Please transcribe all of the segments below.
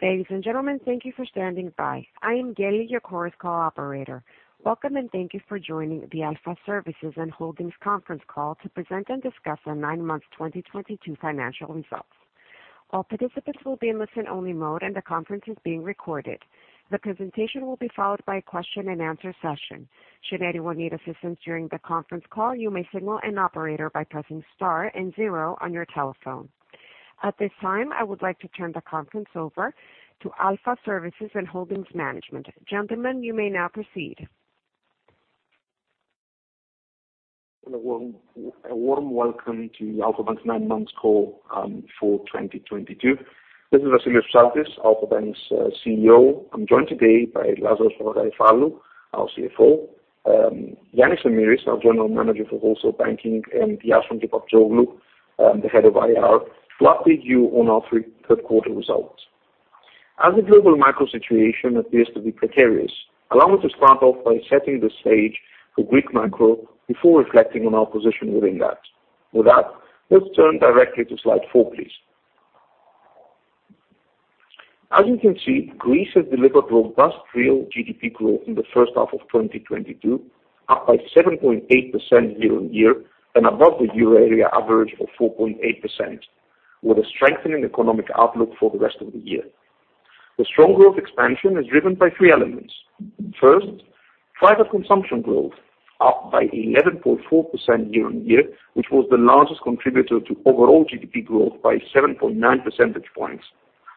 Ladies and gentlemen, thank you for standing by. I am Kelly, your Chorus Call operator. Welcome, and thank you for joining the Alpha Services and Holdings conference call to present and discuss our nine months 2022 financial results. All participants will be in listen-only mode, and the conference is being recorded. The presentation will be followed by a question and answer session. Should anyone need assistance during the conference call, you may signal an operator by pressing star and zero on your telephone. At this time, I would like to turn the conference over to Alpha Services and Holdings Management. Gentlemen, you may now proceed. A warm welcome to Alpha Bank's nine months call for 2022. This is Vassilios Psaltis, Alpha Bank's CEO. I am joined today by Lazaros Papagaryfallou, our CFO, Ioannis Emiris, our General Manager for Wholesale Banking, and Iason Kepaptsoglou, the Head of IR, to update you on our third quarter results. As the global macro situation appears to be precarious, allow me to start off by setting the stage for Greek macro before reflecting on our position within that. With that, let's turn directly to slide four, please. As you can see, Greece has delivered robust real GDP growth in the first half of 2022, up by 7.8% year-on-year and above the euro area average of 4.8%, with a strengthening economic outlook for the rest of the year. The strong growth expansion is driven by three elements. First, private consumption growth, up by 11.4% year-on-year, which was the largest contributor to overall GDP growth by 7.9 percentage points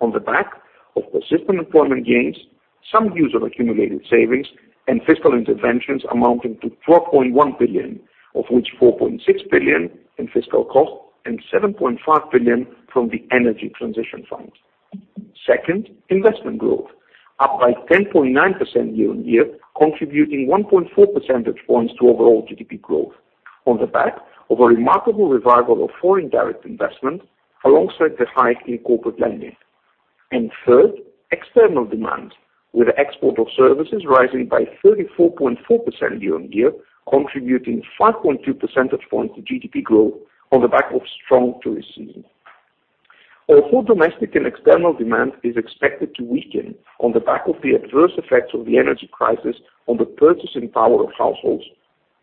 on the back of persistent employment gains, some use of accumulated savings, and fiscal interventions amounting to 12.1 billion, of which 4.6 billion in fiscal cost and 7.5 billion from the energy transition fund. Second, investment growth, up by 10.9% year-on-year, contributing 1.4 percentage points to overall GDP growth on the back of a remarkable revival of foreign direct investment alongside the hike in corporate lending. And third, external demand, with export of services rising by 34.4% year-on-year, contributing 5.2 percentage points to GDP growth on the back of strong tourism. Although domestic and external demand is expected to weaken on the back of the adverse effects of the energy crisis on the purchasing power of households,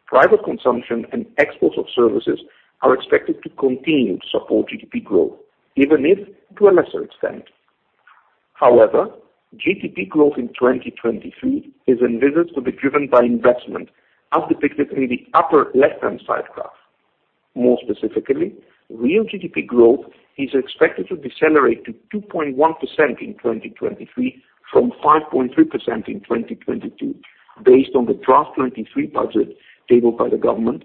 private consumption and exports of services are expected to continue to support GDP growth, even if to a lesser extent. However, GDP growth in 2023 is envisaged to be driven by investment, as depicted in the upper left-hand side graph. More specifically, real GDP growth is expected to decelerate to 2.1% in 2023 from 5.3% in 2022, based on the draft 2023 budget tabled by the government.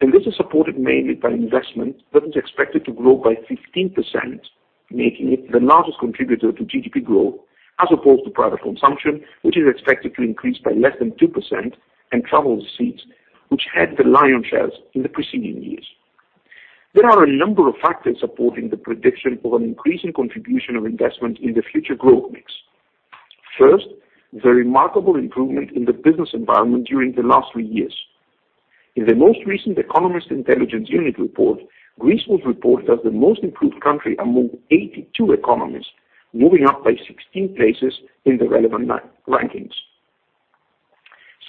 And this is supported mainly by investment that is expected to grow by 15%, making it the largest contributor to GDP growth, as opposed to private consumption, which is expected to increase by less than 2%, and travel receipts, which had the lion's share in the preceding years. There are a number of factors supporting the prediction of an increasing contribution of investment in the future growth mix. First, the remarkable improvement in the business environment during the last three years. In the most recent Economist Intelligence Unit report, Greece was reported as the most improved country among 82 economies, moving up by 16 places in the relevant rankings.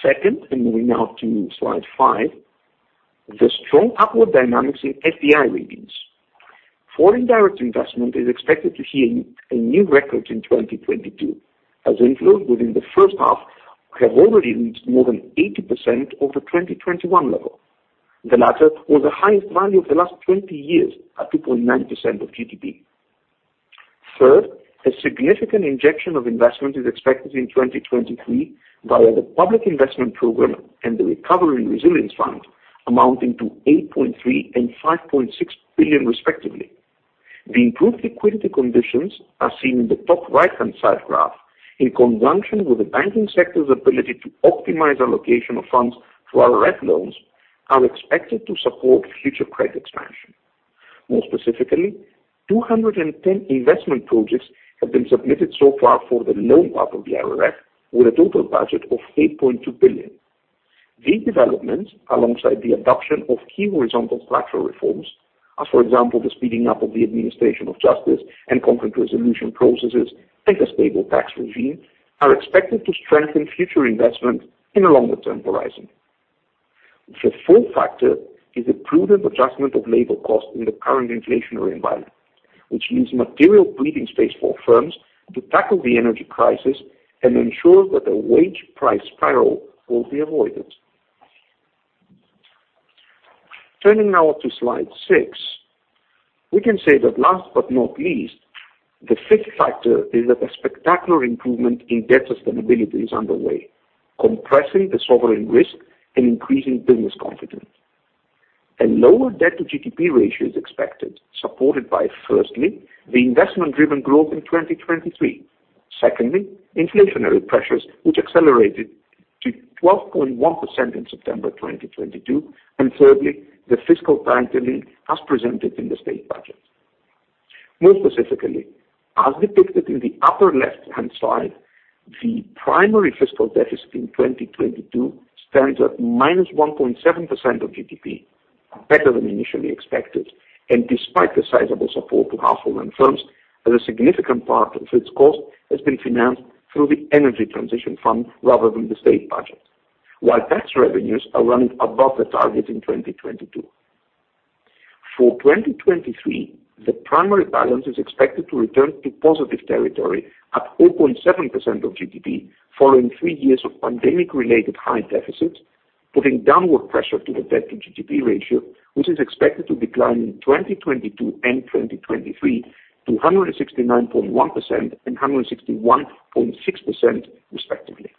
Second, moving now to slide five, the strong upward dynamics in FDI readings. Foreign direct investment is expected to hit a new record in 2022, as inflows within the first half have already reached more than 80% of the 2021 level. The latter was the highest value of the last 20 years at 2.9% of GDP. Third, a significant injection of investment is expected in 2023 via the public investment program and the Recovery and Resilience Facility, amounting to 8.3 billion and 5.6 billion, respectively. The improved liquidity conditions are seen in the top right-hand side graph, in conjunction with the banking sector's ability to optimize allocation of funds through our RRF Loan, are expected to support future credit expansion. More specifically, 210 investment projects have been submitted so far for the loan part of the RRF, with a total budget of 8.2 billion. These developments, alongside the adoption of key horizontal structural reforms, as for example, the speeding up of the administration of justice and conflict resolution processes and a stable tax regime, are expected to strengthen future investment in a longer-term horizon. The fourth factor is the prudent adjustment of labor cost in the current inflationary environment, which leaves material breathing space for firms to tackle the energy crisis and ensure that a wage price spiral will be avoided. Turning now to slide six, we can say that last but not least, the fifth factor is that a spectacular improvement in debt sustainability is underway, compressing the sovereign risk and increasing business confidence. A lower debt-to-GDP ratio is expected, supported by, firstly, the investment-driven growth in 2023, secondly, inflationary pressures which accelerated to 12.1% in September 2022, and thirdly, the fiscal tightening as presented in the state budget. More specifically, as depicted in the upper left-hand side, the primary fiscal deficit in 2022 stands at -1.7% of GDP. Better than initially expected. Despite the sizable support to household and firms, as a significant part of its cost has been financed through the energy transition fund rather than the state budget. Tax revenues are running above the target in 2022. For 2023, the primary balance is expected to return to positive territory at 0.7% of GDP, following three years of pandemic-related high deficits, putting downward pressure to the debt-to-GDP ratio, which is expected to decline in 2022 and 2023 to 169.1% and 161.6% respectively.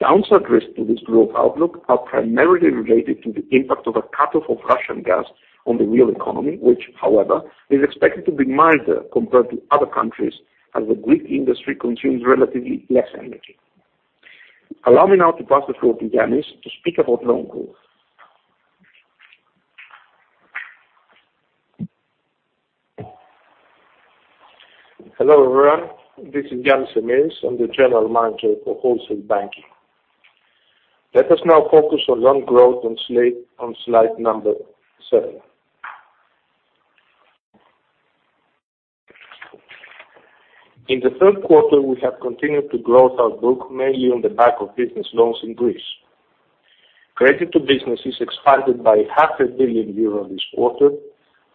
Downside risks to this growth outlook are primarily related to the impact of a cutoff of Russian gas on the real economy, which, however, is expected to be minor compared to other countries, as the Greek industry consumes relatively less energy. Allow me now to pass the floor to Yannis to speak about loan growth. Hello, everyone. This is Ioannis Emiris. I am the General Manager for Wholesale Banking. Let us now focus on loan growth on slide number seven. In the third quarter, we have continued to grow our book mainly on the back of business loans in Greece. Credit to businesses expanded by half a billion EUR this quarter,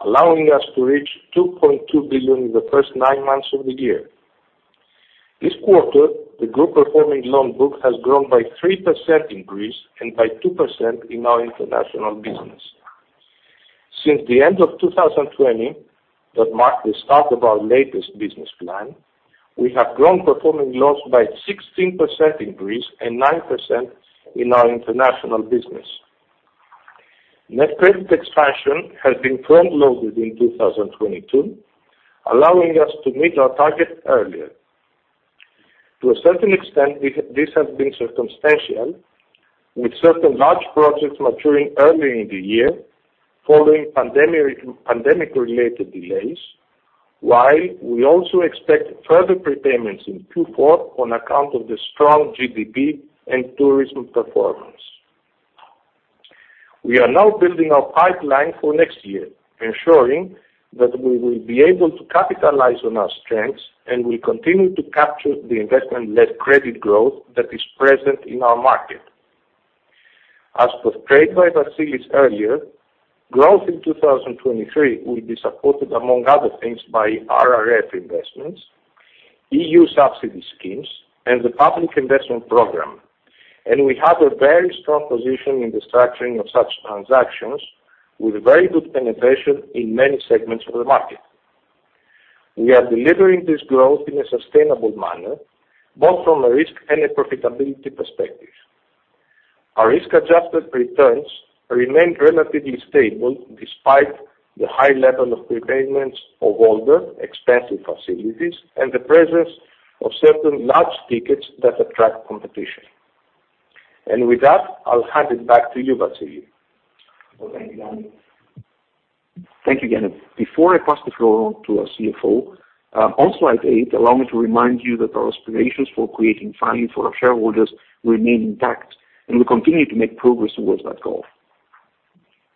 allowing us to reach 2.2 billion in the first nine months of the year. This quarter, the group performing loan book has grown by 3% in Greece and by 2% in our international business. Since the end of 2020, that marked the start of our latest business plan, we have grown performing loans by 16% in Greece and 9% in our international business. Net credit expansion has been front-loaded in 2022, allowing us to meet our target earlier. To a certain extent, this has been circumstantial, with certain large projects maturing earlier in the year following pandemic-related delays, while we also expect further prepayments in Q4 on account of the strong GDP and tourism performance. We are now building our pipeline for next year, ensuring that we will be able to capitalize on our strengths and will continue to capture the investment-led credit growth that is present in our market. As portrayed by Vassilios earlier, growth in 2023 will be supported, among other things, by RRF investments, EU subsidy schemes, and the Public Investment Program. We have a very strong position in the structuring of such transactions with very good penetration in many segments of the market. We are delivering this growth in a sustainable manner, both from a risk and a profitability perspective. Our risk-adjusted returns remained relatively stable despite the high level of prepayments of older expensive facilities and the presence of certain large tickets that attract competition. With that, I will hand it back to you, Vassilios. Well, thank you, Ioannis. Thank you again. Before I pass the floor to our CFO, on slide eight, allow me to remind you that our aspirations for creating value for our shareholders remain intact, and we continue to make progress towards that goal.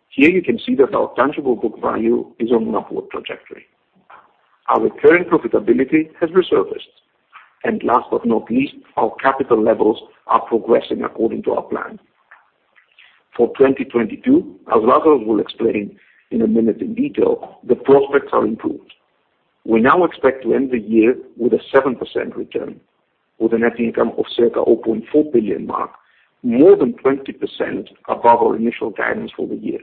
Here you can see that our tangible book value is on an upward trajectory. Our recurring profitability has resurfaced. Last but not least, our capital levels are progressing according to our plan. For 2022, as Lazaros will explain in a minute in detail, the prospects are improved. We now expect to end the year with a 7% return with a net income of circa 0.4 billion mark, more than 20% above our initial guidance for the year.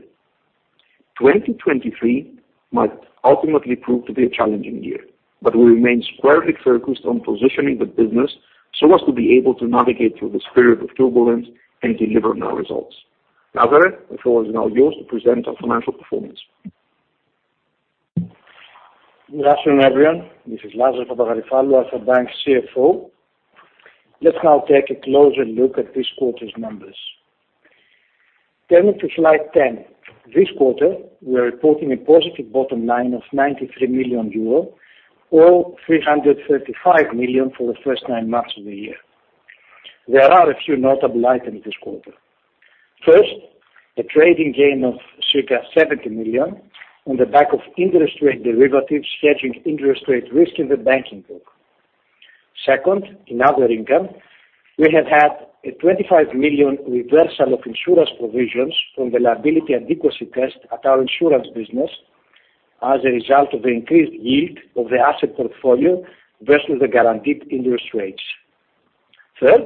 2023 might ultimately prove to be a challenging year, we remain squarely focused on positioning the business so as to be able to navigate through this period of turbulence and deliver our results. Lazaros, the floor is now yours to present our financial performance. Good afternoon, everyone. This is Lazaros Papagaryfallou, Alpha Bank CFO. Let's now take a closer look at this quarter's numbers. Turning to slide 10. This quarter, we are reporting a positive bottom line of 93 million euro or 335 million for the first nine months of the year. There are a few notable items this quarter. First, a trading gain of circa 70 million on the back of interest rate derivatives hedging interest rate risk in the banking book. Second, in other income, we have had a 25 million reversal of insurance provisions from the liability adequacy test at our insurance business as a result of the increased yield of the asset portfolio versus the guaranteed interest rates. Third,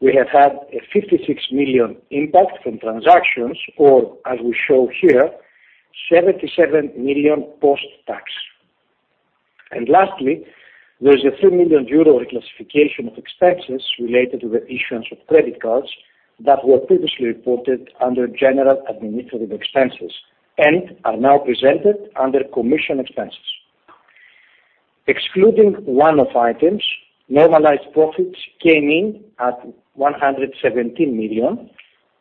we have had a 56 million impact from transactions, or as we show here, 77 million post-tax. Lastly, there is a 3 million euro reclassification of expenses related to the issuance of credit cards that were previously reported under general administrative expenses and are now presented under commission expenses. Excluding one-off items, normalized profits came in at 117 million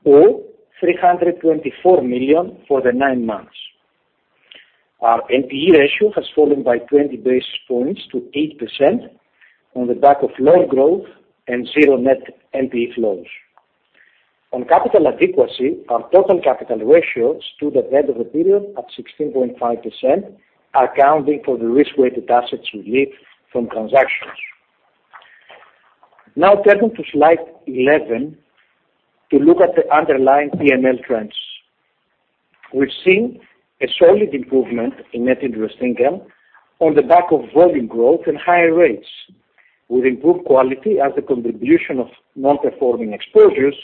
or 324 million for the nine months. Our NPE ratio has fallen by 20 basis points to 8% on the back of loan growth and zero net NPE flows. On capital adequacy, our total capital ratio stood at the end of the period at 16.5%, accounting for the risk-weighted assets we leave from transactions. Turning to slide 11 to look at the underlying P&L trends. We've seen a solid improvement in net interest income on the back of volume growth and higher rates, with improved quality as the contribution of non-performing exposures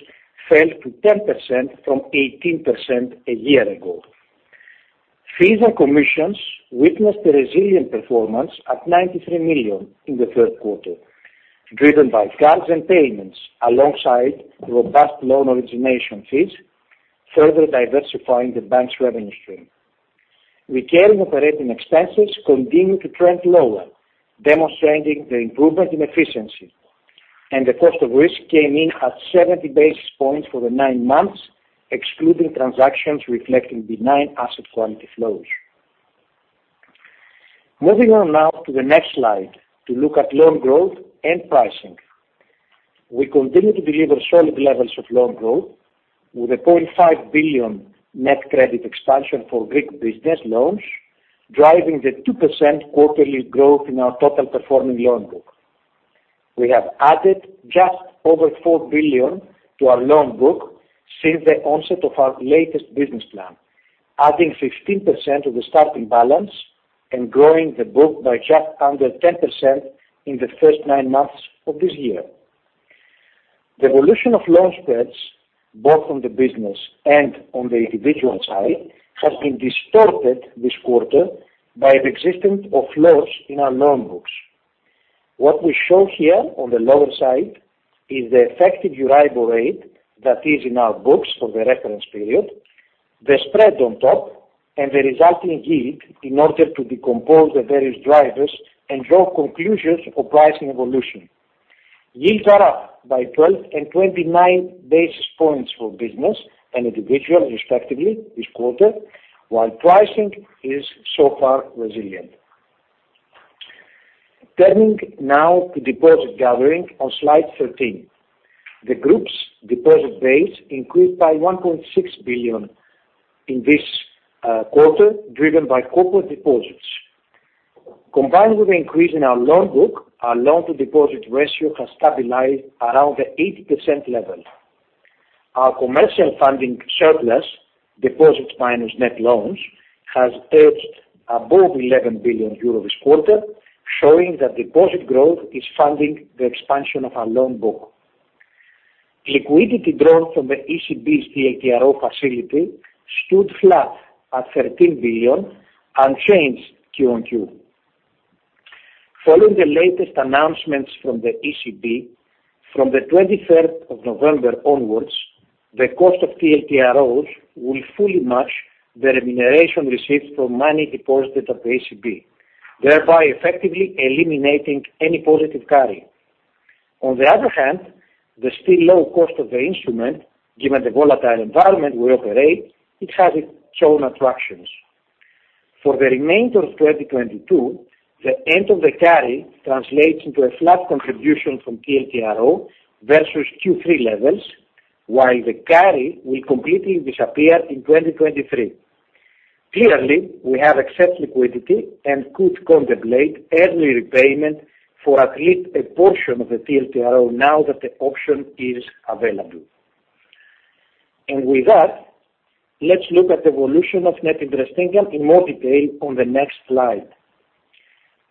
fell to 10% from 18% a year ago. Fees and commissions witnessed a resilient performance at 93 million in the third quarter, driven by cards and payments alongside robust loan origination fees, further diversifying the bank's revenue stream. Recurring operating expenses continue to trend lower, demonstrating the improvement in efficiency, the cost of risk came in at 70 basis points for the nine months, excluding transactions reflecting benign asset quality flows. Moving on now to the next slide to look at loan growth and pricing. We continue to deliver solid levels of loan growth with a 0.5 billion net credit expansion for Greek business loans, driving the 2% quarterly growth in our total performing loan book. We have added just over 4 billion to our loan book since the onset of our latest business plan, adding 15% of the starting balance and growing the book by just under 10% in the first nine months of this year. The evolution of loan spreads, both on the business and on the individual side, has been distorted this quarter by the existence of flows in our loan books. What we show here on the lower side is the effective EURIBOR rate that is in our books for the reference period, the spread on top, and the resulting yield in order to decompose the various drivers and draw conclusions of pricing evolution. Yields are up by 12 and 29 basis points for business and individual respectively this quarter, while pricing is so far resilient. Turning now to deposit gathering on slide 13. The group's deposit base increased by 1.6 billion in this quarter, driven by corporate deposits. Combined with the increase in our loan book, our loan-to-deposit ratio has stabilized around the 80% level. Our commercial funding surplus, deposits minus net loans, has edged above 11 billion euros this quarter, showing that deposit growth is funding the expansion of our loan book. Liquidity drawn from the ECB's TLTRO facility stood flat at EUR 13 billion, unchanged Q on Q. Following the latest announcements from the ECB, from the 23rd of November onwards, the cost of TLTROs will fully match the remuneration received from money deposited at the ECB, thereby effectively eliminating any positive carry. On the other hand, the still low cost of the instrument, given the volatile environment we operate, it has its own attractions. For the remainder of 2022, the end of the carry translates into a flat contribution from TLTRO versus Q3 levels, while the carry will completely disappear in 2023. With that, let's look at the evolution of net interest income in more detail on the next slide.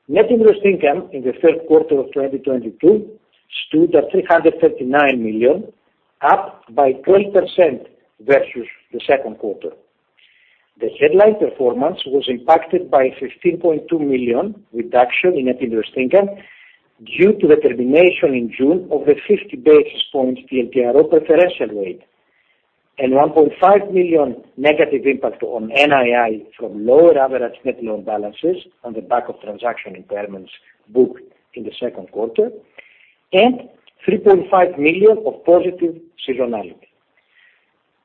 Net interest income in the third quarter of 2022 stood at 339 million, up by 12% versus the second quarter. The headline performance was impacted by 15.2 million reduction in net interest income due to the termination in June of the 50 basis points TLTRO preferential rate, and 1.5 million negative impact on NII from lower average net loan balances on the back of transaction impairments booked in the second quarter, and 3.5 million of positive seasonality.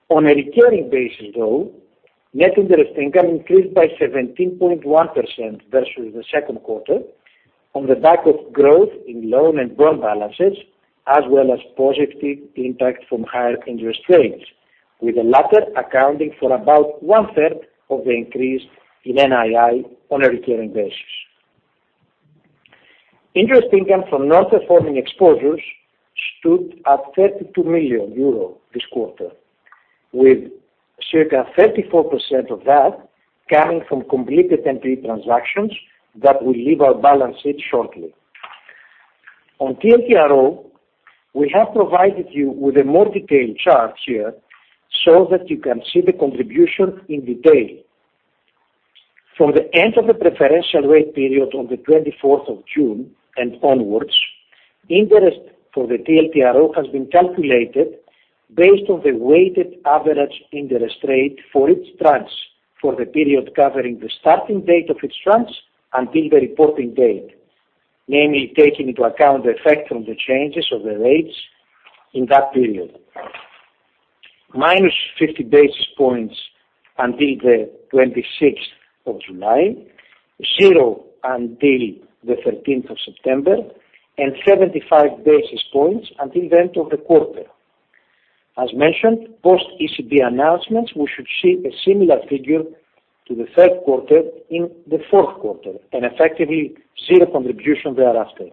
On a recurring basis, though, net interest income increased by 17.1% versus the second quarter on the back of growth in loan and bond balances, as well as positive impact from higher interest rates, with the latter accounting for about one-third of the increase in NII on a recurring basis. Interest income from non-performing exposures stood at 32 million euro this quarter, with circa 34% of that coming from completed NPE transactions that will leave our balance sheet shortly. On TLTRO, we have provided you with a more detailed chart here so that you can see the contribution in detail. From the end of the preferential rate period on the 24th of June and onwards, interest for the TLTRO has been calculated based on the weighted average interest rate for each tranche for the period covering the starting date of each tranche until the reporting date, namely, taking into account the effect on the changes of the rates in that period. Minus 50 basis points until the 26th of July, zero until the 13th of September, and 75 basis points until the end of the quarter. As mentioned, post ECB announcements, we should see a similar figure to the third quarter in the fourth quarter and effectively zero contribution thereafter.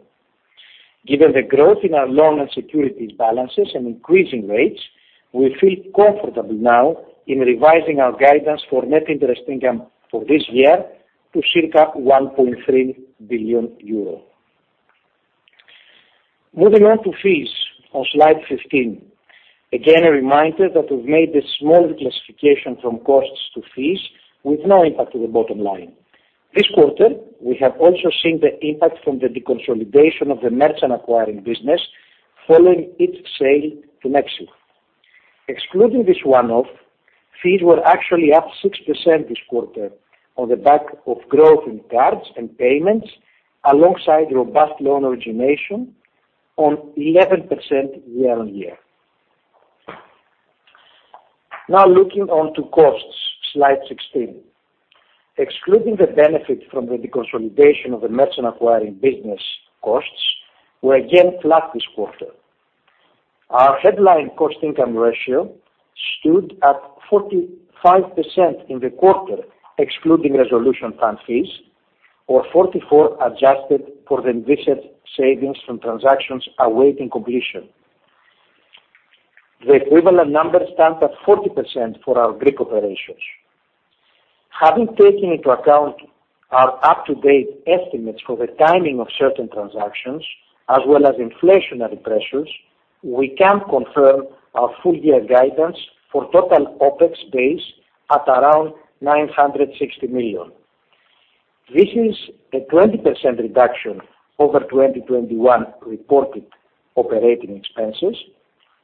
Given the growth in our loan and securities balances and increasing rates, we feel comfortable now in revising our guidance for net interest income for this year to circa 1.3 billion euro. Moving on to fees on slide 15. Again, a reminder that we've made a small reclassification from costs to fees with no impact to the bottom line. This quarter, we have also seen the impact from the deconsolidation of the merchant acquiring business following its sale to Nexi. Excluding this one-off, fees were actually up 6% this quarter on the back of growth in cards and payments, alongside robust loan origination on 11% year-on-year. Looking on to costs. Slide 16. Excluding the benefit from the deconsolidation of the merchant acquiring business costs, were again flat this quarter. Our headline cost income ratio stood at 45% in the quarter, excluding resolution plan fees, or 44 adjusted for the envisaged savings from transactions awaiting completion. The equivalent number stands at 40% for our Greek operations. Having taken into account our up-to-date estimates for the timing of certain transactions, as well as inflationary pressures, we can confirm our full year guidance for total OpEx base at around 960 million. This is a 20% reduction over 2021 reported operating expenses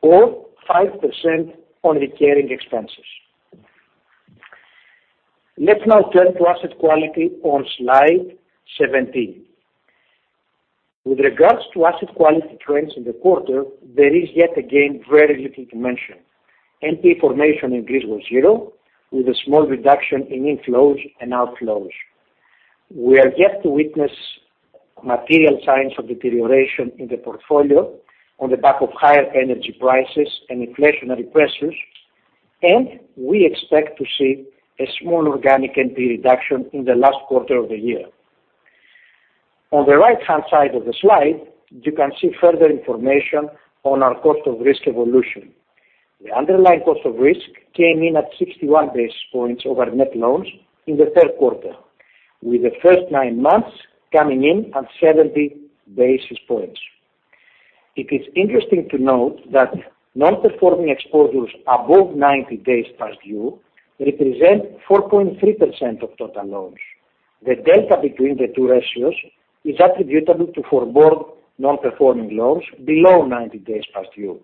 or 5% on recurring expenses. Let's now turn to asset quality on slide 17. With regards to asset quality trends in the quarter, there is yet again very little to mention. NP formation in Greece was zero, with a small reduction in inflows and outflows. We are yet to witness material signs of deterioration in the portfolio on the back of higher energy prices and inflationary pressures, and we expect to see a small organic NP reduction in the last quarter of the year. On the right-hand side of the slide, you can see further information on our cost of risk evolution. The underlying cost of risk came in at 61 basis points over net loans in the third quarter, with the first nine months coming in at 70 basis points. It is interesting to note that non-performing exposures above 90 days past due represent 4.3% of total loans. The delta between the two ratios is attributable to forborne non-performing loans below 90 days past due,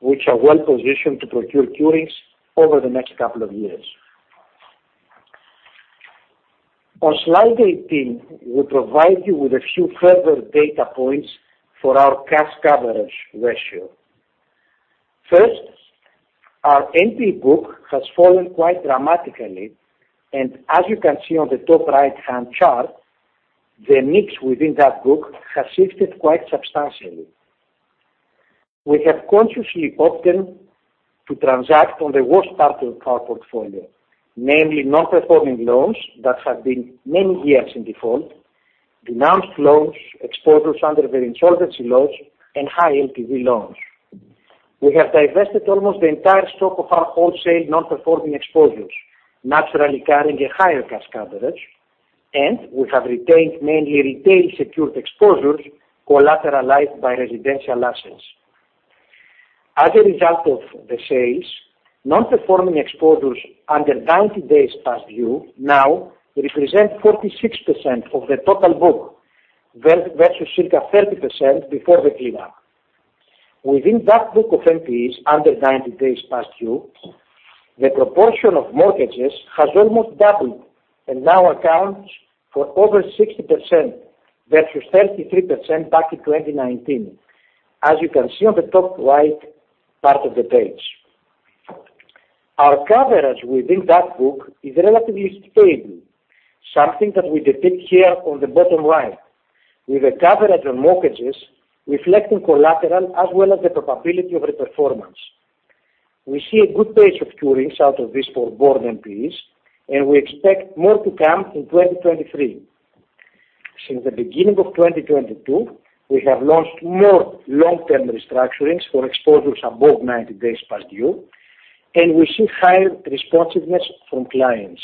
which are well positioned to procure curings over the next couple of years. On slide 18, we provide you with a few further data points for our cash coverage ratio. First, our NP book has fallen quite dramatically, and as you can see on the top right-hand chart, the mix within that book has shifted quite substantially. We have consciously opted to transact on the worst part of our portfolio, namely non-performing loans that have been many years in default, denounced loans, exposures under the insolvency laws, and high LTV loans. We have divested almost the entire stock of our wholesale non-performing exposures, naturally carrying a higher cash coverage, and we have retained mainly retail secured exposures collateralized by residential assets. As a result of the sales, non-performing exposures under 90 days past due now represent 46% of the total book, versus circa 30% before the clean up. Within that book of NPEs under 90 days past due, the proportion of mortgages has almost doubled and now accounts for over 60%, versus 33% back in 2019. As you can see on the top right part of the page. Our coverage within that book is relatively stable, something that we depict here on the bottom right, with a coverage on mortgages reflecting collateral as well as the probability of reperformance. We see a good pace of curings out of these forborne NPEs, and we expect more to come in 2023. Since the beginning of 2022, we have launched more long-term restructurings for exposures above 90 days past due. We see higher responsiveness from clients.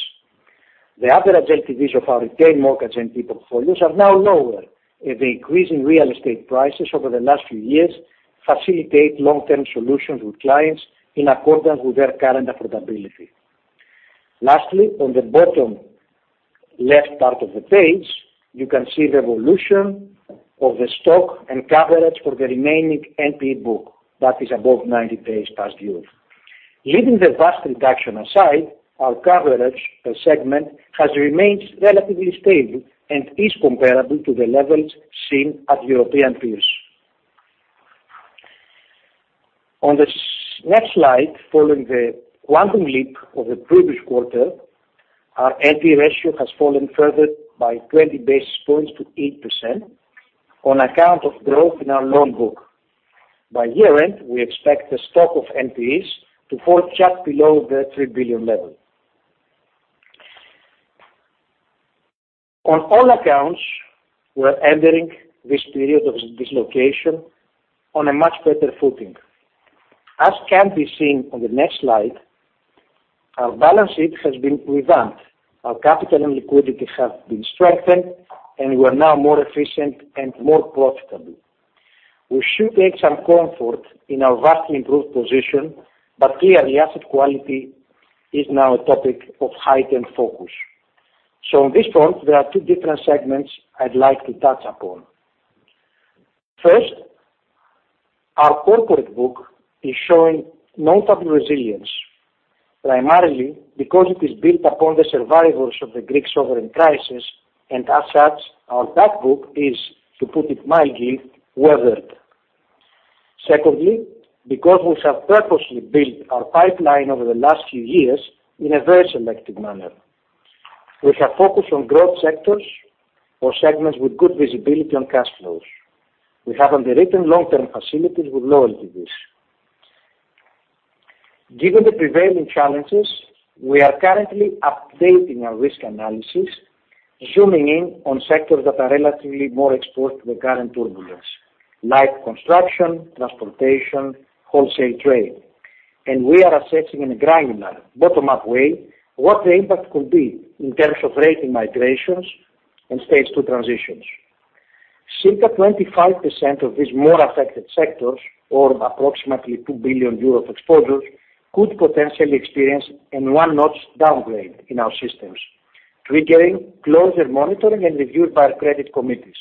The average LTVs of our retained mortgage NPE portfolios are now lower as the increase in real estate prices over the last few years facilitate long-term solutions with clients in accordance with their current affordability. Lastly, on the bottom left part of the page, you can see the evolution of the stock and coverage for the remaining NPE book that is above 90 days past due. Leaving the vast reduction aside, our coverage per segment has remained relatively stable and is comparable to the levels seen at European peers. On the next slide, following the quantum leap of the previous quarter, our NPE ratio has fallen further by 20 basis points to 8% on account of growth in our loan book. By year-end, we expect the stock of NPEs to forge just below the 3 billion level. On all accounts, we're entering this period of dislocation on a much better footing. As can be seen on the next slide, our balance sheet has been revamped. Our capital and liquidity have been strengthened. We are now more efficient and more profitable. We should take some comfort in our vastly improved position. Clearly, asset quality is now a topic of heightened focus. On this front, there are two different segments I'd like to touch upon. First, our corporate book is showing notable resilience, primarily because it is built upon the survivors of the Greek sovereign crisis. As such, our back book is, to put it mildly, weathered. Secondly, because we have purposely built our pipeline over the last few years in a very selective manner. We have focused on growth sectors or segments with good visibility on cash flows. We have underwritten long-term facilities with low LTVs. Given the prevailing challenges, we are currently updating our risk analysis, zooming in on sectors that are relatively more exposed to the current turbulence, like construction, transportation, wholesale trade. We are assessing in a granular, bottom-up way what the impact could be in terms of rating migrations and stage 2 transitions. Circa 25% of these more affected sectors, or approximately 2 billion euros exposures, could potentially experience a one-notch downgrade in our systems, triggering closer monitoring and review by our credit committees.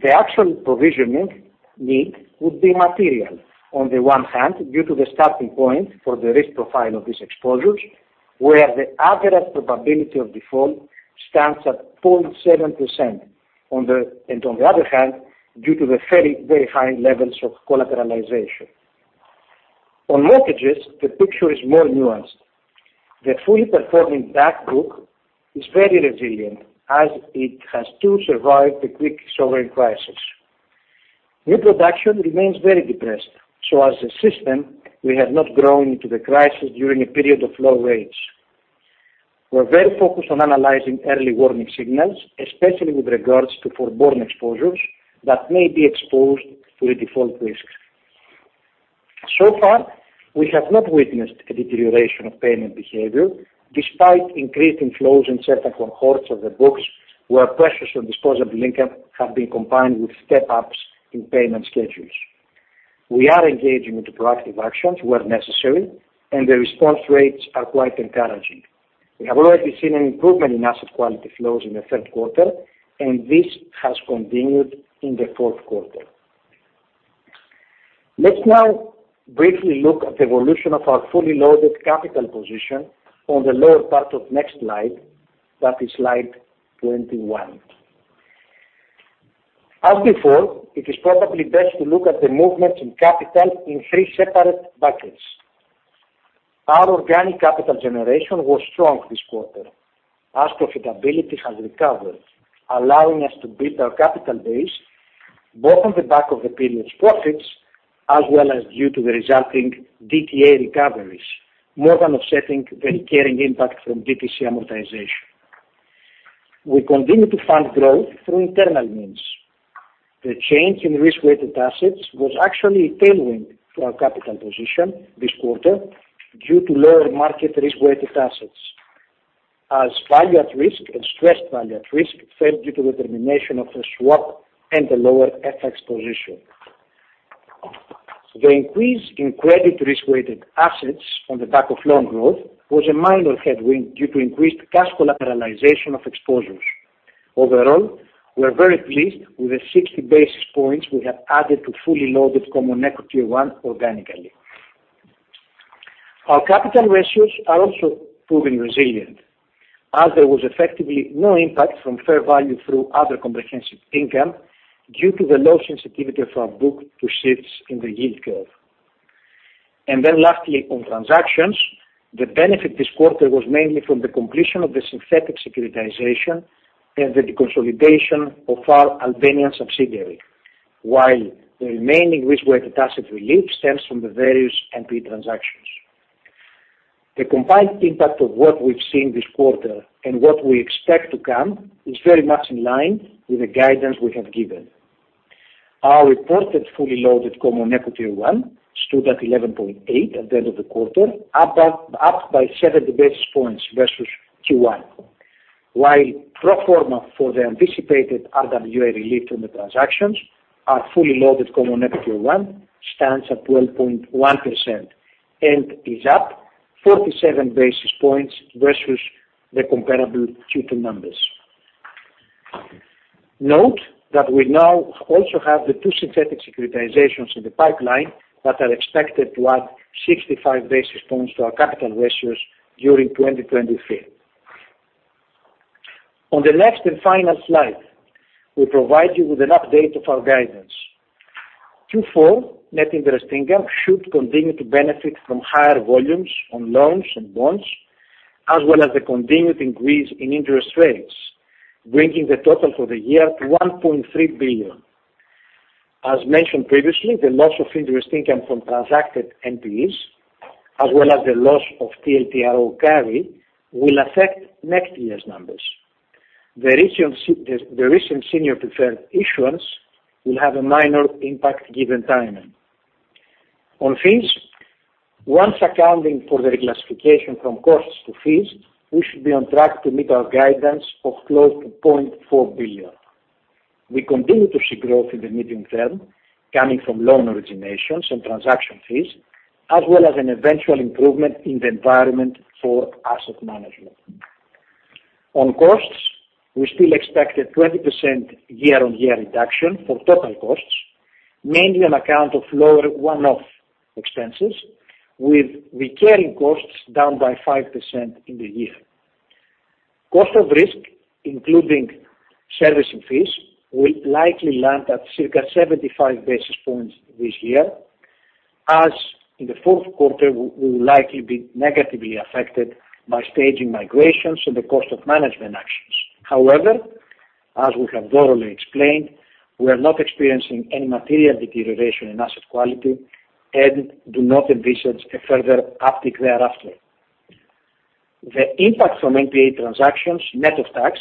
The actual provisioning need would be material, on the one hand, due to the starting point for the risk profile of these exposures, where the average probability of default stands at 0.7%, and on the other hand, due to the very, very high levels of collateralization. On mortgages, the picture is more nuanced. The fully performing back book is very resilient as it has, too, survived the Greek sovereign crisis. New production remains very depressed. As a system, we have not grown into the crisis during a period of low rates. We're very focused on analyzing early warning signals, especially with regards to forborne exposures that may be exposed to a default risk. Far, we have not witnessed a deterioration of payment behavior, despite increasing flows in certain cohorts of the books where pressures from disposable income have been combined with step-ups in payment schedules. We are engaging into proactive actions where necessary, and the response rates are quite encouraging. We have already seen an improvement in asset quality flows in the third quarter, and this has continued in the fourth quarter. Let's now briefly look at the evolution of our fully loaded capital position on the lower part of next slide. That is slide 21. As before, it is probably best to look at the movements in capital in three separate buckets. Our organic capital generation was strong this quarter as profitability has recovered, allowing us to build our capital base both on the back of the previous profits as well as due to the resulting DTA recoveries, more than offsetting the recurring impact from DTC amortization. We continue to fund growth through internal means. The change in risk-weighted assets was actually a tailwind to our capital position this quarter due to lower market risk-weighted assets as value at risk and stressed value at risk fell due to the termination of the swap and the lower FX position. The increase in credit risk-weighted assets on the back of loan growth was a minor headwind due to increased cash collateralization of exposures. Overall, we're very pleased with the 60 basis points we have added to fully loaded CET 1 organically. Our capital ratios are also proving resilient as there was effectively no impact from fair value through other comprehensive income due to the low sensitivity of our book to shifts in the yield curve. Lastly, on transactions, the benefit this quarter was mainly from the completion of the synthetic securitization and the deconsolidation of our Albanian subsidiary. While the remaining risk-weighted asset relief stems from the various NP transactions. The combined impact of what we've seen this quarter and what we expect to come is very much in line with the guidance we have given. Our reported fully loaded CET 1 stood at 11.8 at the end of the quarter, up by seven basis points versus Q1. While pro forma for the anticipated RWA relief from the transactions are fully loaded, CET 1 stands at 12.1% and is up 47 basis points versus the comparable Q2 numbers. Note that we now also have the two synthetic securitizations in the pipeline that are expected to add 65 basis points to our capital ratios during 2023. On the next and final slide, we provide you with an update of our guidance. Q4 net interest income should continue to benefit from higher volumes on loans and bonds, as well as the continued increase in interest rates, bringing the total for the year to 1.3 billion. As mentioned previously, the loss of interest income from transacted NPEs, as well as the loss of TLTRO carry, will affect next year's numbers. The recent senior preferred issuance will have a minor impact given timing. On fees, once accounting for the reclassification from costs to fees, we should be on track to meet our guidance of close to 0.4 billion. We continue to see growth in the medium term coming from loan originations and transaction fees, as well as an eventual improvement in the environment for asset management. On costs, we still expect a 20% year-on-year reduction for total costs, mainly on account of lower one-off expenses, with recurring costs down by 5% in the year. Cost of risk, including servicing fees, will likely land at circa 75 basis points this year, as in the fourth quarter, we will likely be negatively affected by staging migrations and the cost of management actions. However, as we have thoroughly explained, we are not experiencing any material deterioration in asset quality and do not envisage a further uptick thereafter. The impact from NPE transactions, net of tax,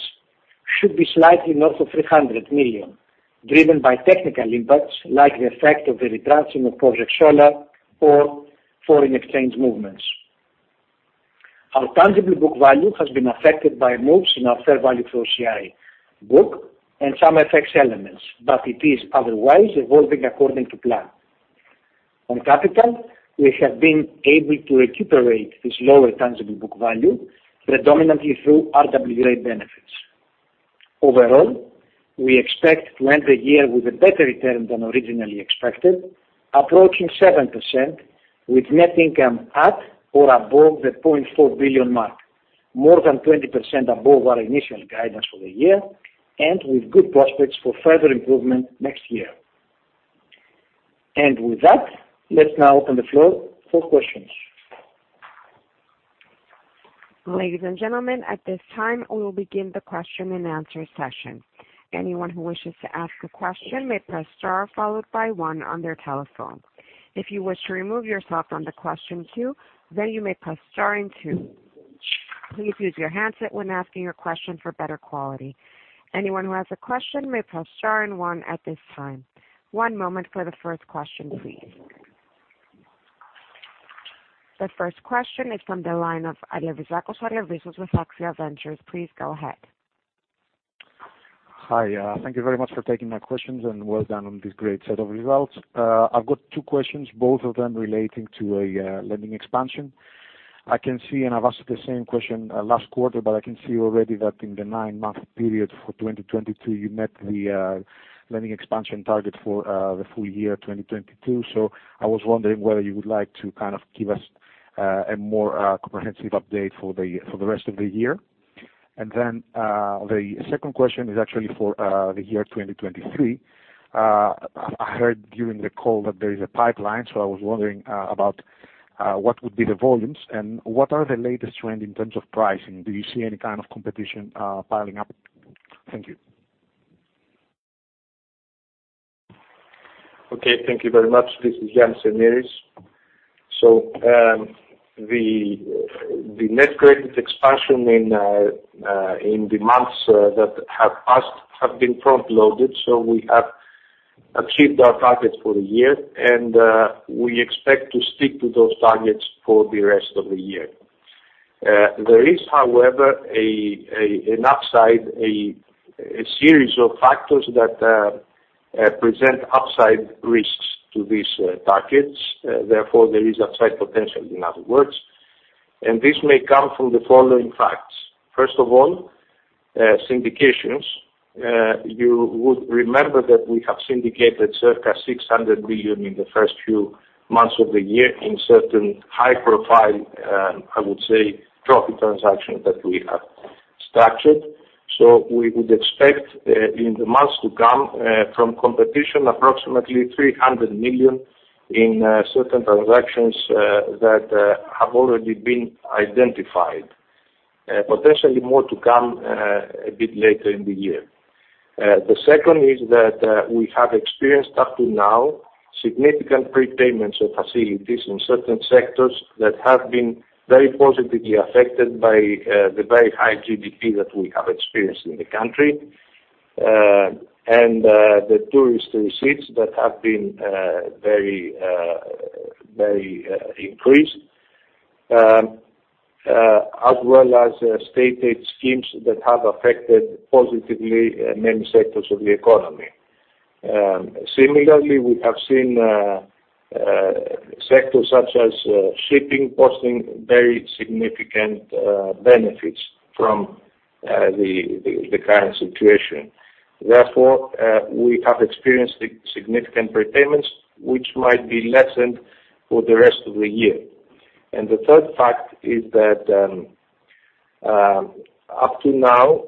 should be slightly north of 300 million, driven by technical impacts like the effect of the redemption of Project Solar or foreign exchange movements. Our tangible book value has been affected by moves in our fair value through OCI book and some FX elements, but it is otherwise evolving according to plan. On capital, we have been able to recuperate this lower tangible book value predominantly through RWA benefits. Overall, we expect to end the year with a better return than originally expected, approaching 7%, with net income at or above the 0.4 billion mark, more than 20% above our initial guidance for the year and with good prospects for further improvement next year. With that, let's now open the floor for questions. Ladies and gentlemen, at this time, we will begin the question-and-answer session. Anyone who wishes to ask a question may press star followed by one on their telephone. If you wish to remove yourself from the question queue, then you may press star and two. Please use your handset when asking your question for better quality. Anyone who has a question may press star and one at this time. One moment for the first question, please. The first question is from the line of Alevizos Alevizakos with Axia Ventures. Please go ahead. Hi. Thank you very much for taking my questions, and well done on this great set of results. I've got two questions, both of them relating to lending expansion. I've asked the same question last quarter, but I can see already that in the nine-month period for 2022, you met the lending expansion target for the full year 2022. I was wondering whether you would like to give us a more comprehensive update for the rest of the year. The second question is actually for the year 2023. I heard during the call that there is a pipeline, so I was wondering about what would be the volumes and what are the latest trends in terms of pricing. Do you see any kind of competition piling up? Thank you. Okay, thank you very much. This is Ioannis Emiris. The net credit expansion in the months that have passed have been front-loaded. We have achieved our targets for the year, and we expect to stick to those targets for the rest of the year. There is, however, an upside, a series of factors that present upside risks to these targets. Therefore, there is upside potential, in other words. This may come from the following facts. First of all, syndications. You would remember that we have syndicated circa 600 million in the first few months of the year in certain high-profile, I would say, trophy transactions that we have structured. We would expect in the months to come from competition approximately 300 million in certain transactions that have already been identified. Potentially more to come a bit later in the year. The second is that we have experienced up to now significant prepayments of facilities in certain sectors that have been very positively affected by the very high GDP that we have experienced in the country, and the tourist receipts that have been very increased, as well as state aid schemes that have affected positively many sectors of the economy. Similarly, we have seen sectors such as shipping posting very significant benefits from the current situation. Therefore, we have experienced significant prepayments, which might be lessened for the rest of the year. The third fact is that, up to now,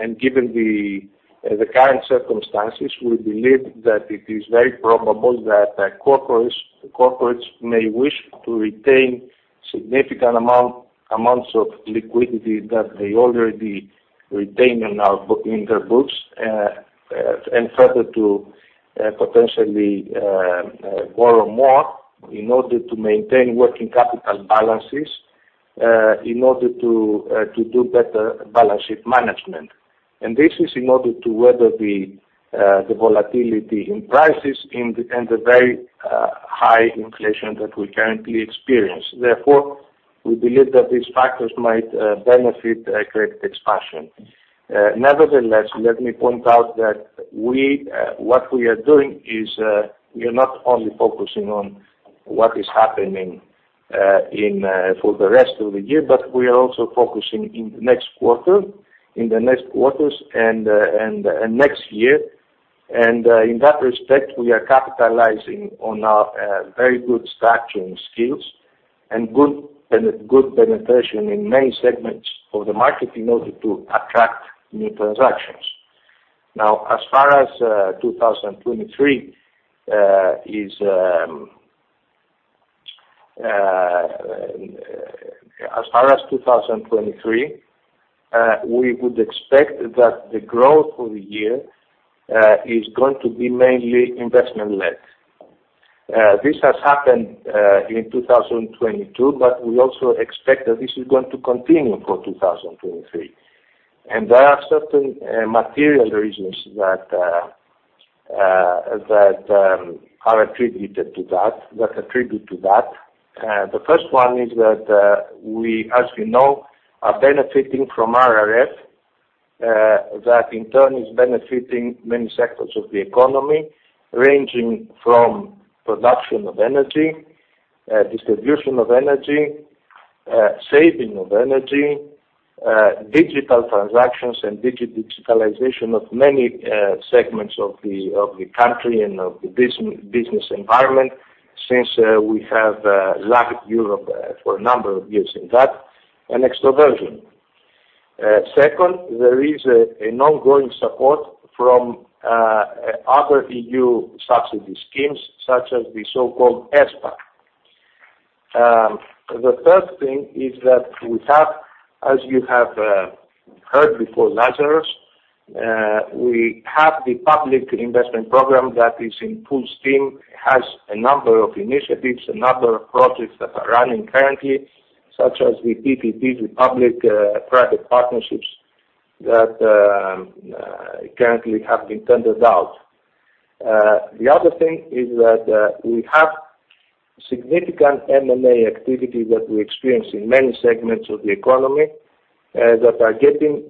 and given the current circumstances, we believe that it is very probable that corporates may wish to retain significant amounts of liquidity that they already retain in their books, and further to potentially borrow more in order to maintain working capital balances, in order to do better balance sheet management. This is in order to weather the volatility in prices and the very high inflation that we currently experience. Therefore, we believe that these factors might benefit credit expansion. Nevertheless, let me point out that what we are doing is, we are not only focusing on what is happening for the rest of the year, but we are also focusing in the next quarters, and next year. In that respect, we are capitalizing on our very good structuring skills and good penetration in many segments of the market in order to attract new transactions. As far as 2023, we would expect that the growth for the year is going to be mainly investment-led. This has happened in 2022, we also expect that this is going to continue for 2023. There are certain material reasons that attribute to that. The first one is that we, as we know, are benefiting from RRF, that in turn is benefiting many sectors of the economy, ranging from production of energy, distribution of energy, saving of energy, digital transactions, and digitalization of many segments of the country and of the business environment, since we have lagged Europe for a number of years in that, and extroversion. Second, there is an ongoing support from other EU subsidy schemes, such as the so-called ESPA. The third thing is that we have, as you have heard before, Lazaros. We have the public investment program that is in full steam, has a number of initiatives, a number of projects that are running currently, such as the PPP, the public private partnerships that currently have been tendered out. The other thing is that we have significant M&A activity that we experience in many segments of the economy that are getting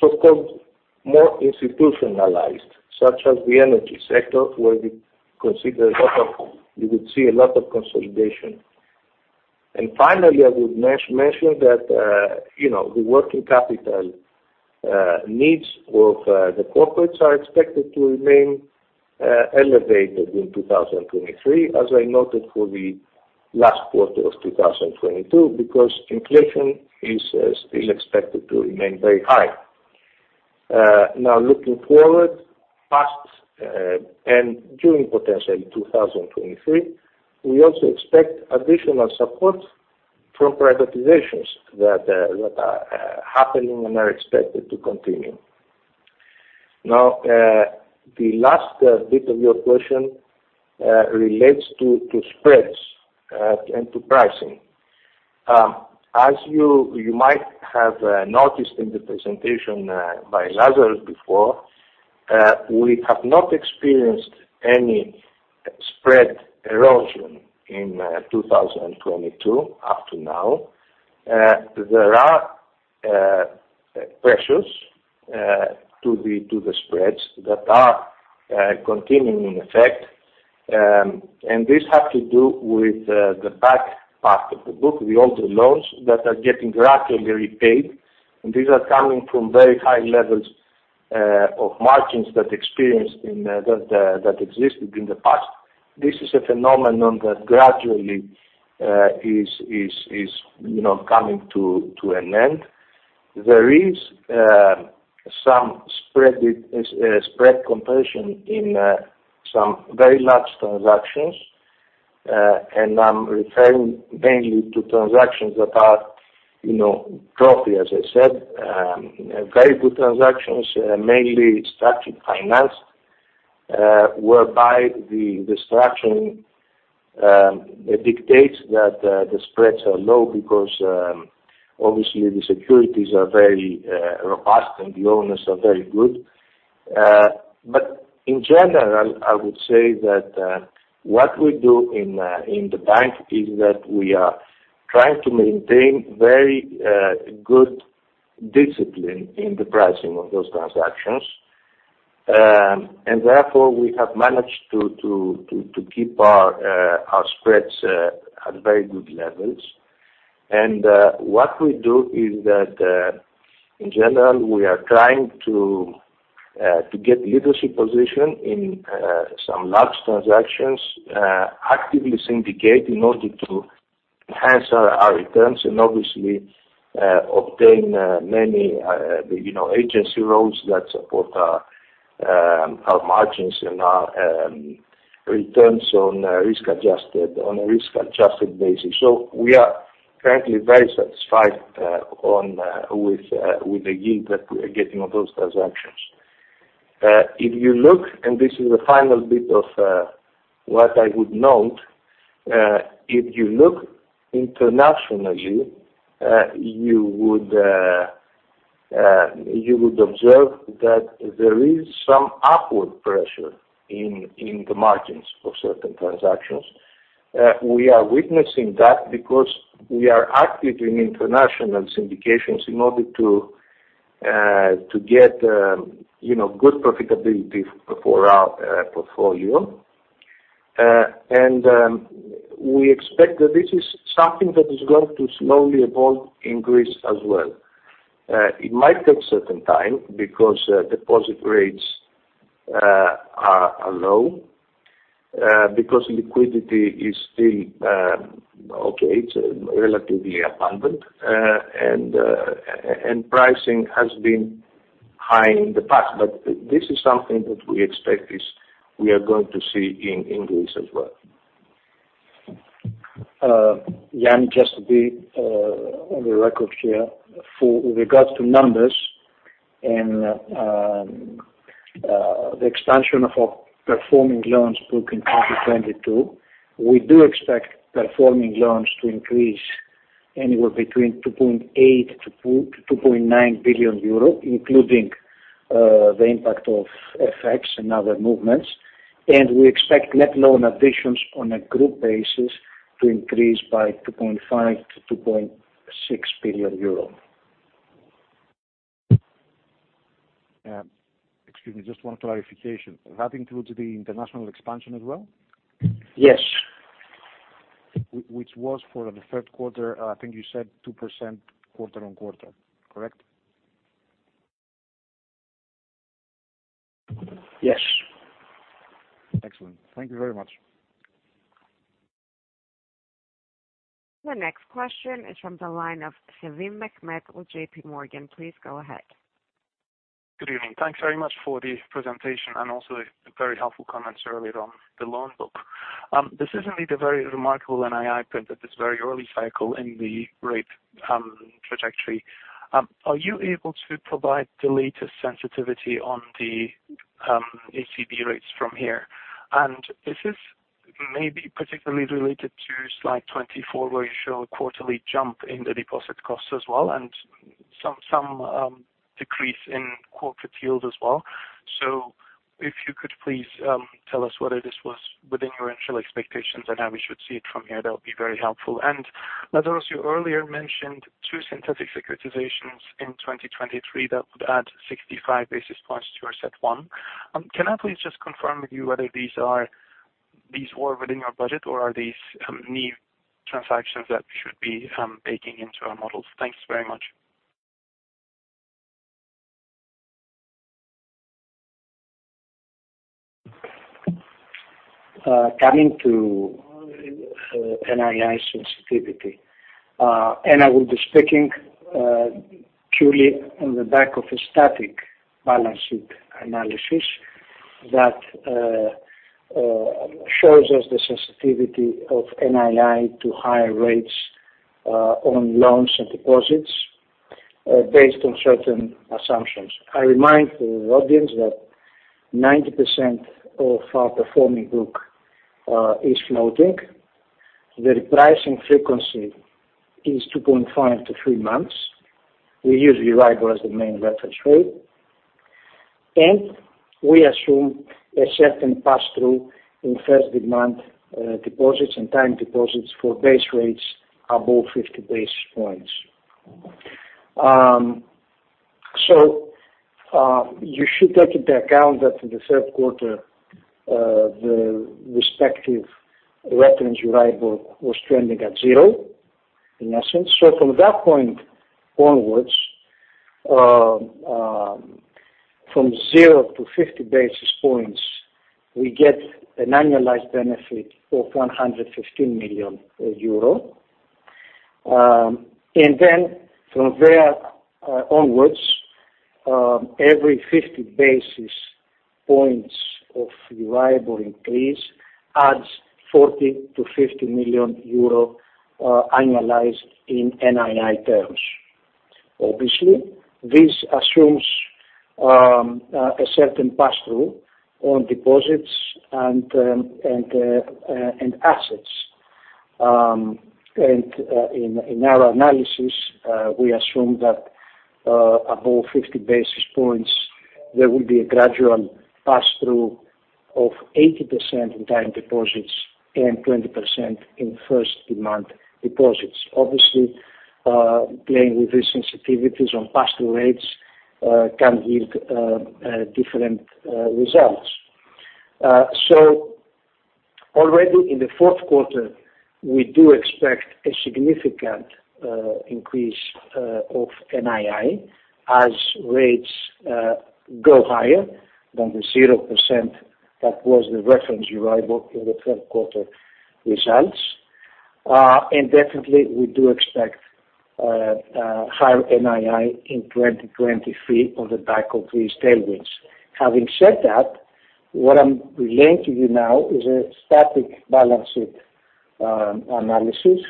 so-called more institutionalized, such as the energy sector, where we would see a lot of consolidation. Finally, I would mention that the working capital needs of the corporates are expected to remain elevated in 2023, as I noted for the last quarter of 2022, because inflation is still expected to remain very high. Looking forward, past, and during potentially 2023, we also expect additional support from privatizations that are happening and are expected to continue. The last bit of your question relates to spreads and to pricing. As you might have noticed in the presentation by Lazaros before, we have not experienced any spread erosion in 2022 up to now. There are pressures to the spreads that are continuing in effect, these have to do with the back part of the book, the older loans that are getting gradually repaid, these are coming from very high levels of margins that existed in the past. This is a phenomenon that gradually is coming to an end. There is some spread compression in some very large transactions, I'm referring mainly to transactions that are trophy, as I said, very good transactions, mainly structured finance, whereby the structuring dictates that the spreads are low because obviously the securities are very robust and the owners are very good. In general, I would say that what we do in the bank is that we are trying to maintain very good discipline in the pricing of those transactions. Therefore, we have managed to keep our spreads at very good levels. What we do is that, in general, we are trying to get leadership position in some large transactions, actively syndicate in order to enhance our returns, and obviously, obtain many agency roles that support our margins and our returns on a risk-adjusted basis. We are currently very satisfied with the yield that we are getting on those transactions. If you look, and this is the final bit of what I would note, if you look internationally, you would observe that there is some upward pressure in the margins of certain transactions. We are witnessing that because we are active in international syndications in order to get good profitability for our portfolio. We expect that this is something that is going to slowly evolve in Greece as well. It might take certain time because deposit rates are low, because liquidity is still okay, it's relatively abundant, and pricing has been high in the past. This is something that we expect we are going to see in Greece as well. Yianni, just to be on the record here with regards to numbers and the expansion of our performing loans book in 2022, we do expect performing loans to increase anywhere between 2.8 billion-2.9 billion euro, including the impact of FX and other movements. We expect net loan additions on a group basis to increase by 2.5 billion-2.6 billion euro. Excuse me, just one clarification. That includes the international expansion as well? Yes. Which was for the third quarter, I think you said 2% quarter-on-quarter, correct? Yes. Excellent. Thank you very much. The next question is from the line of Mehmet Sevim with J.P. Morgan. Please go ahead. Good evening. Thanks very much for the presentation and also very helpful comments earlier on the loan book. This is indeed a very remarkable NII at this very early cycle in the rate trajectory. Are you able to provide the latest sensitivity on the ECB rates from here? This is maybe particularly related to slide 24, where you show a quarterly jump in the deposit costs as well and some decrease in corporate yield as well. If you could please tell us whether this was within your initial expectations and how we should see it from here, that would be very helpful. Lazaros, you earlier mentioned two synthetic securitizations in 2023 that would add 65 basis points to our CET 1. Can I please just confirm with you whether these were within your budget or are these new transactions that we should be baking into our models? Thanks very much. Coming to NII sensitivity, I will be speaking purely on the back of a static balance sheet analysis that shows us the sensitivity of NII to higher rates on loans and deposits based on certain assumptions. I remind the audience that 90% of our performing book is floating. The repricing frequency is 2.5 to three months. We use EURIBOR as the main reference rate, and we assume a certain pass-through in first demand deposits and time deposits for base rates above 50 basis points. You should take into account that in the third quarter, the respective reference EURIBOR was trending at zero, in essence. From that point onwards, from zero to 50 basis points, we get an annualized benefit of 115 million euro. Then from there onwards, every 50 basis points of EURIBOR increase adds 40 to 50 million annualized in NII terms. Obviously, this assumes a certain pass-through on deposits and assets. In our analysis, we assume that above 50 basis points, there will be a gradual pass-through of 80% in time deposits and 20% in first demand deposits. Obviously, playing with these sensitivities on pass-through rates can yield different results. Already in the fourth quarter, we do expect a significant increase of NII as rates go higher than the 0% that was the reference you read in the third quarter results. Definitely, we do expect a higher NII in 2023 on the back of these tailwinds. Having said that, what I'm relaying to you now is a static balance sheet analysis.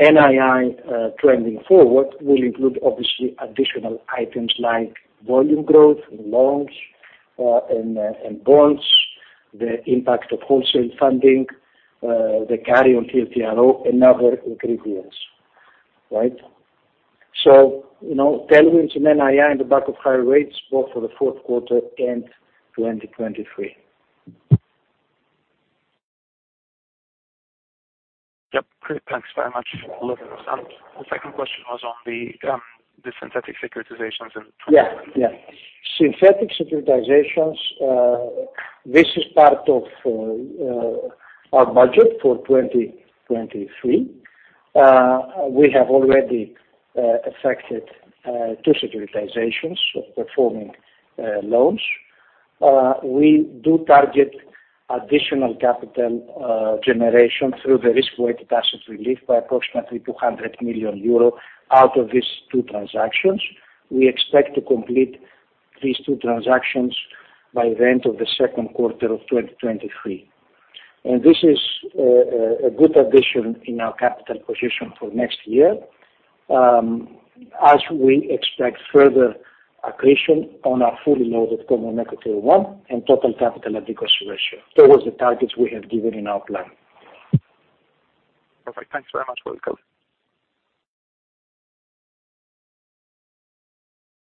NII trending forward will include obviously additional items like volume growth in loans and bonds, the impact of wholesale funding, the carry on TLTRO and other ingredients. Tailwinds in NII on the back of higher rates, both for the fourth quarter and 2023. Yep, great. Thanks very much. A lot of good stuff. The second question was on the synthetic securitizations in 2023. Yeah. Synthetic securitizations, this is part of our budget for 2023. We have already affected two securitizations of performing loans. We do target additional capital generation through the risk-weighted assets relief by approximately 200 million euro. Out of these two transactions, we expect to complete these two transactions by the end of the second quarter of 2023. This is a good addition in our capital position for next year, as we expect further accretion on our fully loaded common equity one and total capital adequacy ratio towards the targets we have given in our plan. Perfect. Thanks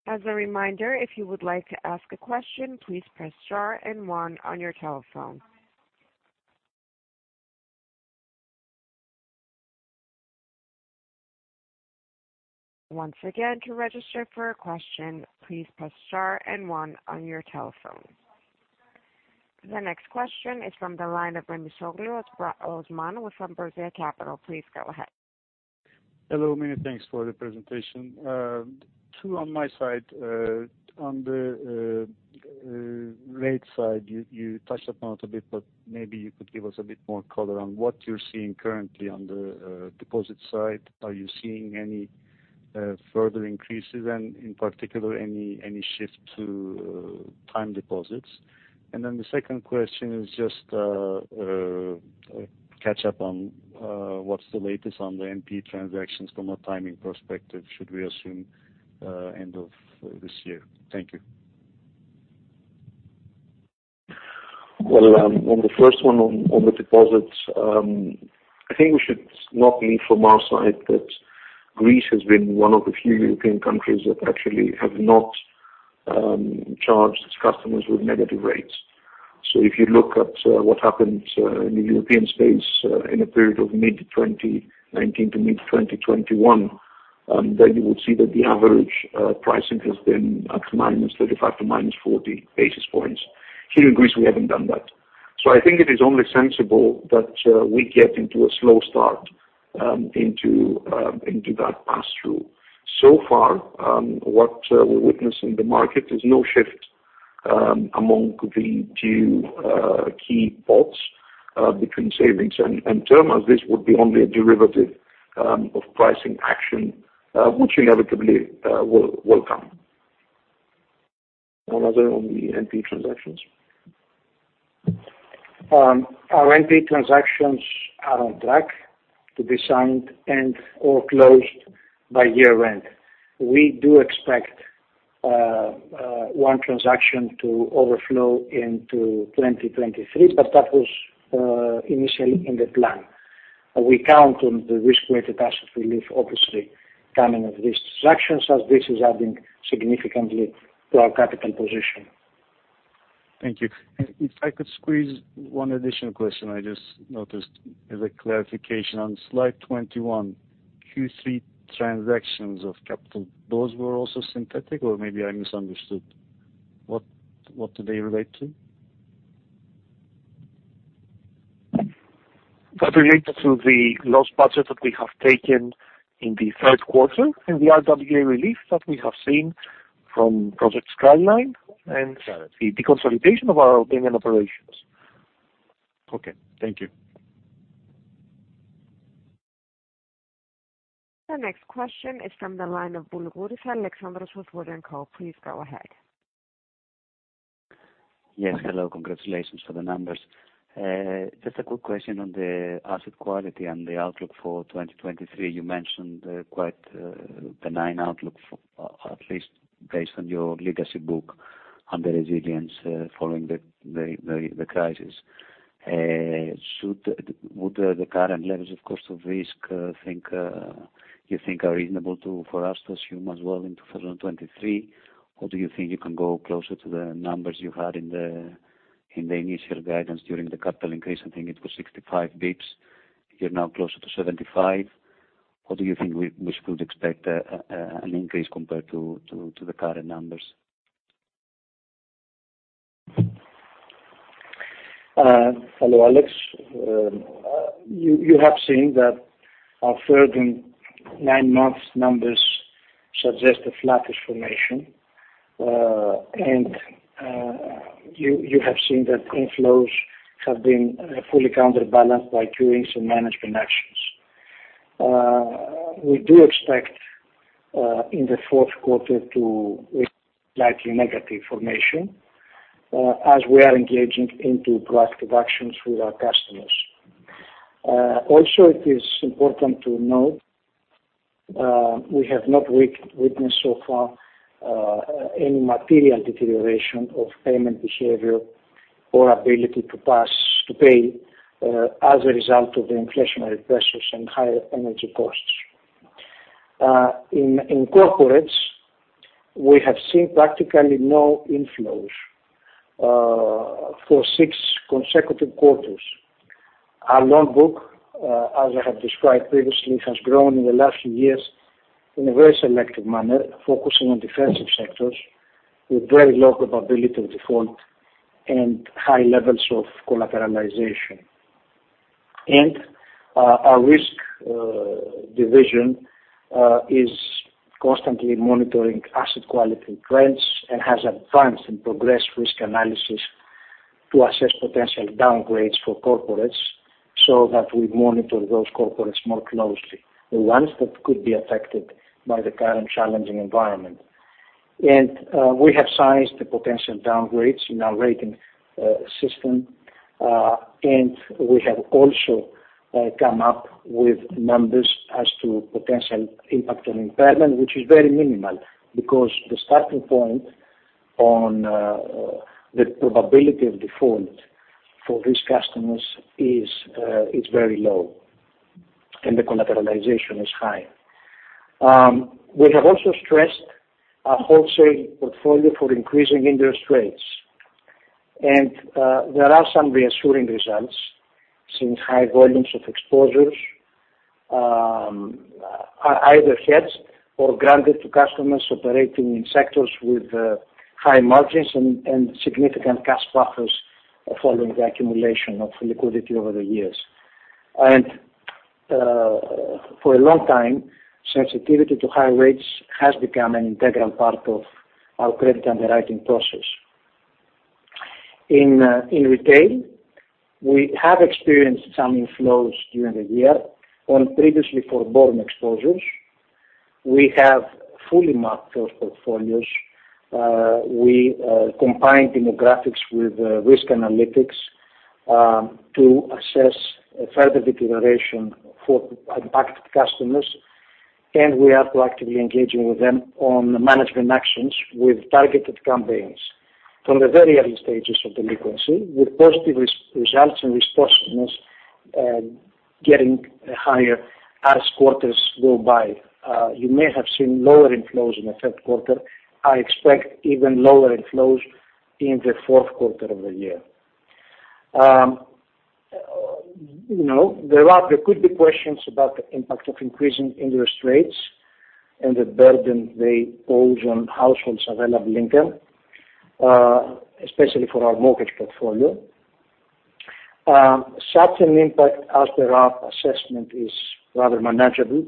very much. Well received. As a reminder, if you would like to ask a question, please press star one on your telephone. Once again, to register for a question, please press star one on your telephone. The next question is from the line of Remi Soglio with Berenberg Capital. Please go ahead. Hello, many thanks for the presentation. Two on my side. On the rate side, you touched upon it a bit, but maybe you could give us a bit more color on what you're seeing currently on the deposit side. Are you seeing any further increases and in particular any shift to time deposits? Then the second question is just a catch up on what's the latest on the NP transactions from a timing perspective. Should we assume end of this year? Thank you. Well, on the first one on the deposits, I think we should not leave from our side that Greece has been one of the few European countries that actually have not charged its customers with negative rates. If you look at what happened in the European space in a period of mid-2019 to mid-2021, you would see that the average pricing has been at -35 to -40 basis points. Here in Greece, we haven't done that. I think it is only sensible that we get into a slow start into that pass-through. So far, what we witness in the market is no shift among the two key pots between savings and term, as this would be only a derivative of pricing action, which inevitably will come. Another on the NP transactions? Our NP transactions are on track to be signed and/or closed by year-end. We do expect one transaction to overflow into 2023, that was initially in the plan. We count on the risk-weighted assets relief, obviously, coming out of these transactions as this is adding significantly to our capital position. Thank you. If I could squeeze one additional question I just noticed as a clarification. On slide 21, Q3 transactions of capital, those were also synthetic, maybe I misunderstood. What do they relate to? That related to the loss budget that we have taken in the third quarter and the RWA relief that we have seen from Project Skyline and the deconsolidation of our Albanian operations. Okay. Thank you. The next question is from the line of Alexandros Boulougouris with WOOD & Co. Please go ahead. Yes, hello. Congratulations for the numbers. Just a quick question on the asset quality and the outlook for 2023. You mentioned quite benign outlook, at least based on your legacy book and the resilience following the crisis. Would the current levels of cost of risk you think are reasonable for us to assume as well in 2023? Do you think you can go closer to the numbers you had in the initial guidance during the capital increase? I think it was 65 basis points. You're now closer to 75 basis points. What do you think we should expect an increase compared to the current numbers? Hello, Alex. You have seen that our third and nine months numbers suggest a flattish formation, and you have seen that inflows have been fully counterbalanced by two recent management actions. We do expect in the fourth quarter to slightly negative formation as we are engaging into proactive actions with our customers. Also, it is important to note, we have not witnessed so far any material deterioration of payment behavior or ability to pay, as a result of the inflationary pressures and higher energy costs. In corporates, we have seen practically no inflows for six consecutive quarters. Our loan book, as I have described previously, has grown in the last few years in a very selective manner, focusing on defensive sectors with very low probability of default and high levels of collateralization. Our risk division is constantly monitoring asset quality trends and has advanced in-progress risk analysis to assess potential downgrades for corporates so that we monitor those corporates more closely, the ones that could be affected by the current challenging environment. We have sized the potential downgrades in our rating system. We have also come up with numbers as to potential impact on impairment, which is very minimal because the starting point on the probability of default for these customers is very low and the collateralization is high. We have also stressed our wholesale portfolio for increasing interest rates. There are some reassuring results since high volumes of exposures are either hedged or granted to customers operating in sectors with high margins and significant cash buffers following the accumulation of liquidity over the years. For a long time, sensitivity to high rates has become an integral part of our credit underwriting process. In retail, we have experienced some inflows during the year on previously foreborne exposures. We have fully marked those portfolios. We combined demographics with risk analytics to assess further deterioration for impacted customers, and we are proactively engaging with them on management actions with targeted campaigns from the very early stages of delinquency, with positive results and responsiveness getting higher as quarters go by. You may have seen lower inflows in the third quarter. I expect even lower inflows in the fourth quarter of the year. There could be questions about the impact of increasing interest rates and the burden they pose on households available income, especially for our mortgage portfolio. Such an impact as per our assessment is rather manageable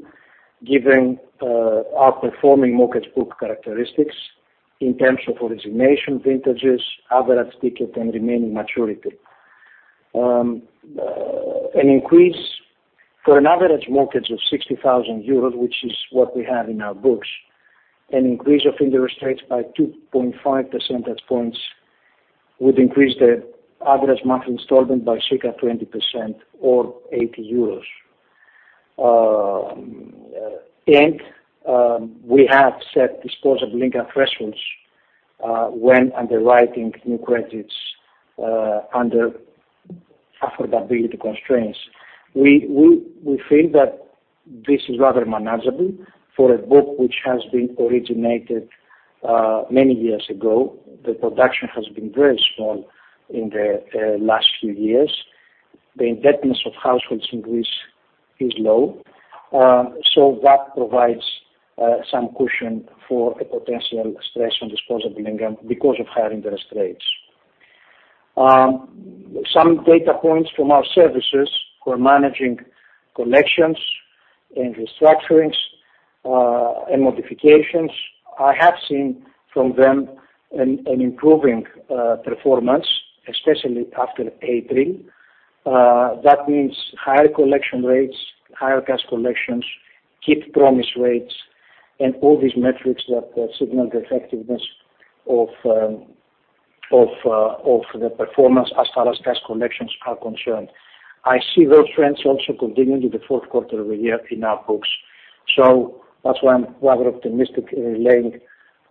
given our performing mortgage book characteristics in terms of origination vintages, average ticket, and remaining maturity. For an average mortgage of 60,000 euros, which is what we have in our books, an increase of interest rates by 2.5 percentage points would increase the average monthly installment by circa 20% or EUR 80. We have set disposable income thresholds when underwriting new credits under affordability constraints. We feel that this is rather manageable for a book which has been originated many years ago. The production has been very small in the last few years. The indebtedness of households in Greece is low. That provides some cushion for a potential stress on disposable income because of higher interest rates. Some data points from our services for managing collections and restructurings, and modifications, I have seen from them an improving performance, especially after payday. That means higher collection rates, higher cash collections, keep promise rates, and all these metrics that signal the effectiveness of the performance as far as cash collections are concerned. I see those trends also continuing in the fourth quarter of the year in our books. That's why I'm rather optimistic in relaying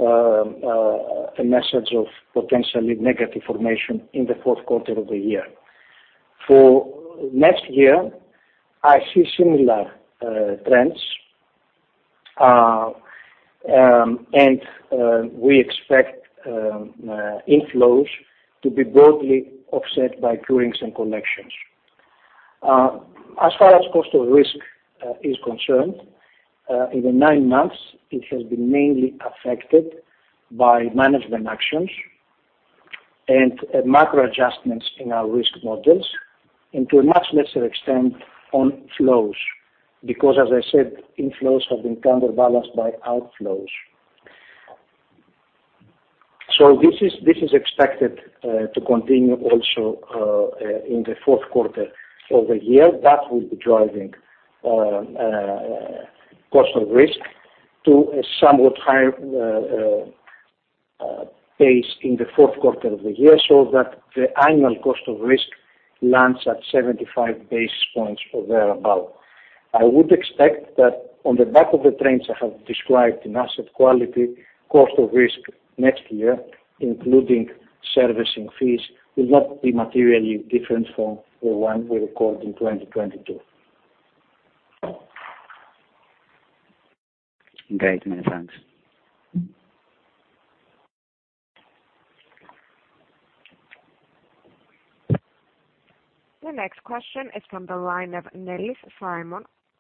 a message of potentially negative formation in the fourth quarter of the year. For next year, I see similar trends. We expect inflows to be broadly offset by curings and collections. As far as cost of risk is concerned, in the nine months, it has been mainly affected by management actions and macro adjustments in our risk models, and to a much lesser extent on flows. As I said, inflows have been counterbalanced by outflows. This is expected to continue also in the fourth quarter of the year. That will be driving cost of risk to a somewhat higher pace in the fourth quarter of the year, so that the annual cost of risk lands at 75 basis points or thereabout. I would expect that on the back of the trends I have described in asset quality, cost of risk next year, including servicing fees, will not be materially different from the one we recorded in 2022. Great, many thanks. The next question is from the line of Simon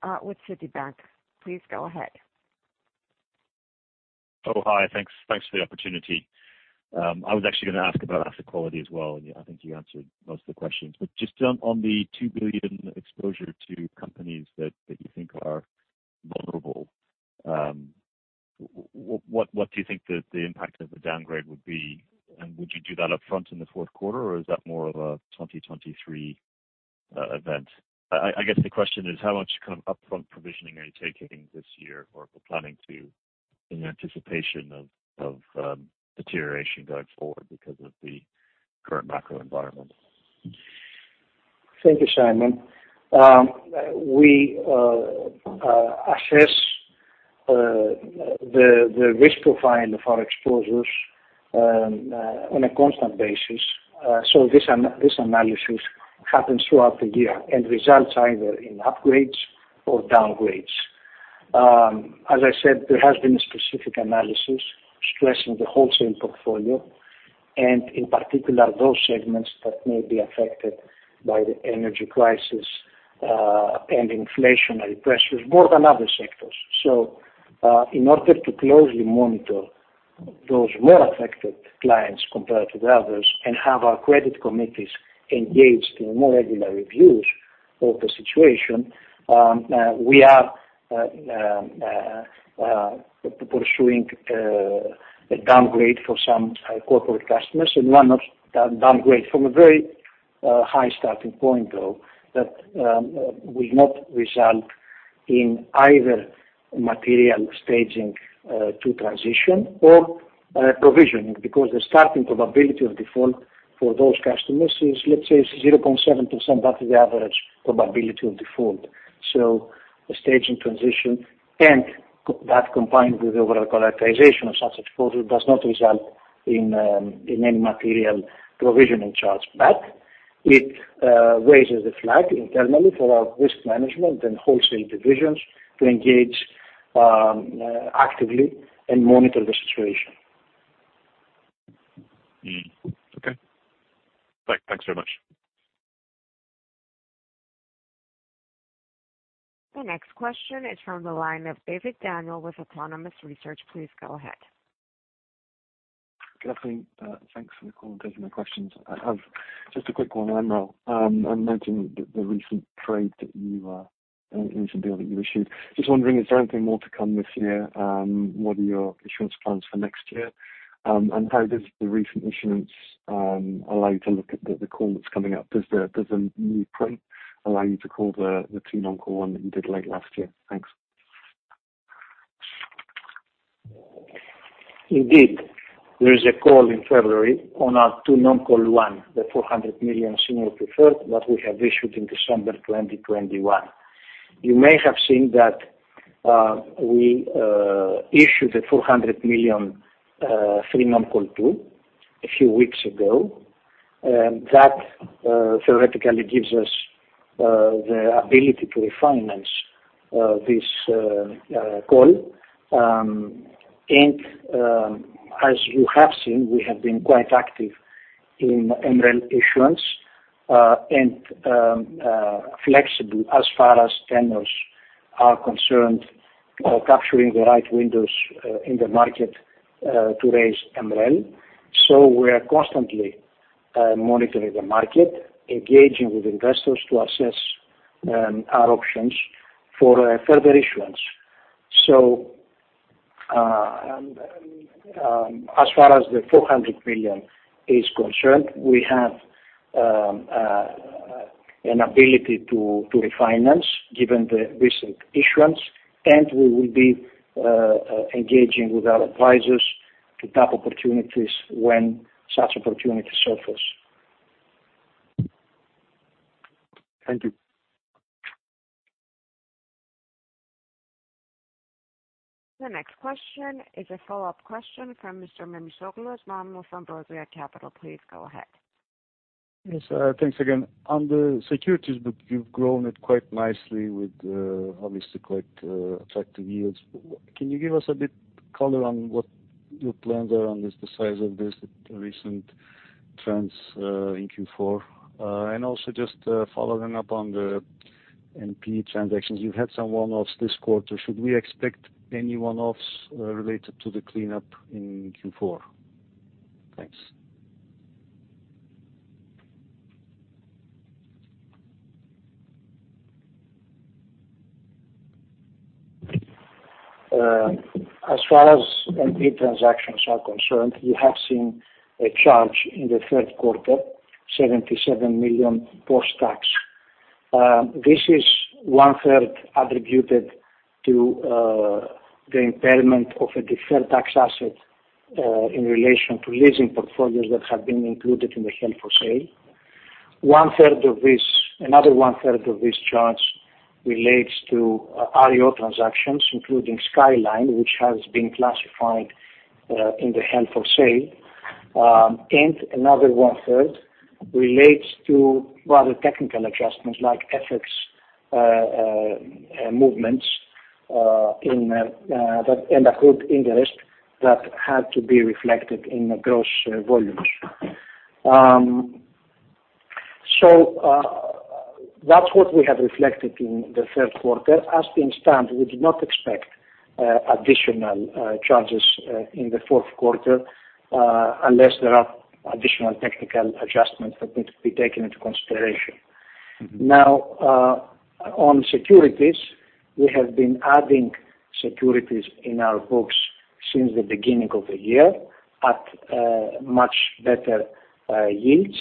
Nellis with Citigroup. Please go ahead. Hi. Thanks for the opportunity. I was actually going to ask about asset quality as well, I think you answered most of the questions. Just on the 2 billion exposure to companies that you think are vulnerable, what do you think the impact of the downgrade would be? Would you do that upfront in the fourth quarter, or is that more of a 2023 event? I guess the question is how much kind of upfront provisioning are you taking this year, or planning to, in anticipation of deterioration going forward because of the current macro environment? Thank you, Simon. We assess the risk profile of our exposures on a constant basis. This analysis happens throughout the year and results either in upgrades or downgrades. As I said, there has been a specific analysis stressing the wholesale portfolio, and in particular, those segments that may be affected by the energy crisis, and inflationary pressures more than other sectors. In order to closely monitor those more affected clients compared to the others and have our credit committees engaged in more regular reviews of the situation, we are pursuing a downgrade for some corporate customers. A downgrade from a very high starting point, though, that will not result in either material staging to transition or provisioning, because the starting probability of default for those customers is, let's say, 0.7%. That is the average probability of default. The staging transition and that combined with the overall characterization of such exposure does not result in any material provisioning charge. It raises the flag internally for our risk management and wholesale divisions to engage actively and monitor the situation. Okay. Thanks very much. The next question is from the line of David Daniel with Autonomous Research. Please go ahead. Good afternoon. Thanks for the call. There's no questions. I have just a quick one on MREL, noting the recent bill that you issued. Just wondering, is there anything more to come this year? What are your issuance plans for next year? How does the recent issuance allow you to look at the call that's coming up? Does the new print allow you to call the two non-call one that you did late last year? Thanks. Indeed. There is a call in February on our two non-call one, the 400 million senior preferred that we have issued in December 2021. You may have seen that we issued a 400 million free non-call two a few weeks ago. That theoretically gives us the ability to refinance this call. As you have seen, we have been quite active in MREL issuance, and flexible as far as tenors are concerned, capturing the right windows in the market, to raise MREL. We are constantly monitoring the market, engaging with investors to assess our options for further issuance. As far as the 400 million is concerned, we have an ability to refinance given the recent issuance, and we will be engaging with our advisers to tap opportunities when such opportunities surface. Thank you. The next question is a follow-up question from Mr. Osman Memisoglu from Ambrosia Capital. Please go ahead. Yes, thanks again. On the securities book, you've grown it quite nicely with obviously quite attractive yields. Can you give us a bit color on what your plans are on the size of this, the recent trends in Q4? Following up on the NPE transactions, you had some one-offs this quarter. Should we expect any one-offs related to the cleanup in Q4? Thanks. As far as NPE transactions are concerned, you have seen a charge in the third quarter, 77 million post-tax. This is one-third attributed to the impairment of a deferred tax asset in relation to leasing portfolios that have been included in the held for sale. Another one-third of this charge relates to RIO transactions, including Project Skyline, which has been classified in the held for sale. Another one-third relates to rather technical adjustments like FX movements in the group interest that had to be reflected in the gross volumes. That's what we have reflected in the third quarter. As things stand, we do not expect additional charges in the fourth quarter, unless there are additional technical adjustments that need to be taken into consideration. On securities, we have been adding securities in our books since the beginning of the year at much better yields.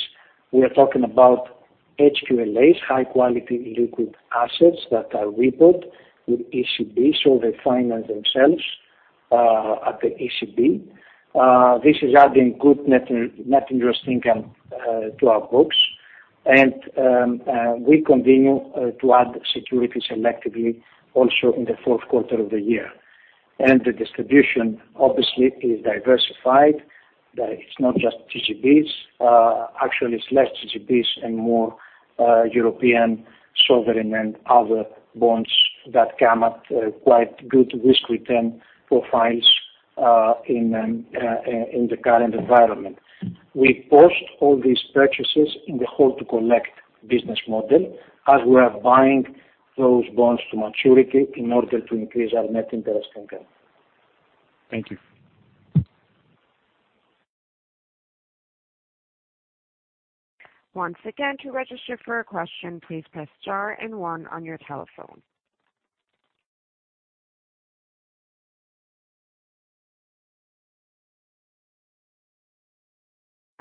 We are talking about HQLAs, high quality liquid assets, that are rebuild with ECB. They finance themselves at the ECB. This is adding good net interest income to our books. We continue to add securities selectively also in the fourth quarter of the year. The distribution obviously is diversified. It's not just GGBs. Actually, it's less GGBs and more European sovereign and other bonds that come at quite good risk return profiles in the current environment. We post all these purchases in the hold to collect business model as we are buying those bonds to maturity in order to increase our net interest income. Thank you. Once again, to register for a question, please press star and one on your telephone.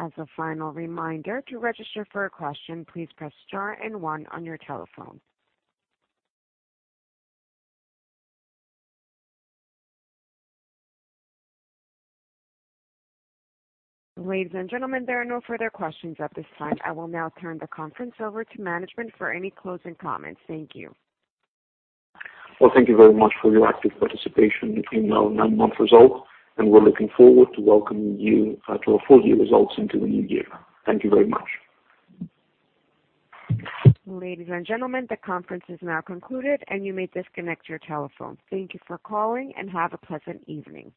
As a final reminder, to register for a question, please press star and one on your telephone. Ladies and gentlemen, there are no further questions at this time. I will now turn the conference over to management for any closing comments. Thank you. Well, thank you very much for your active participation in our nine-month result, and we're looking forward to welcoming you to our full-year results into the new year. Thank you very much. Ladies and gentlemen, the conference is now concluded, and you may disconnect your telephone. Thank you for calling, and have a pleasant evening.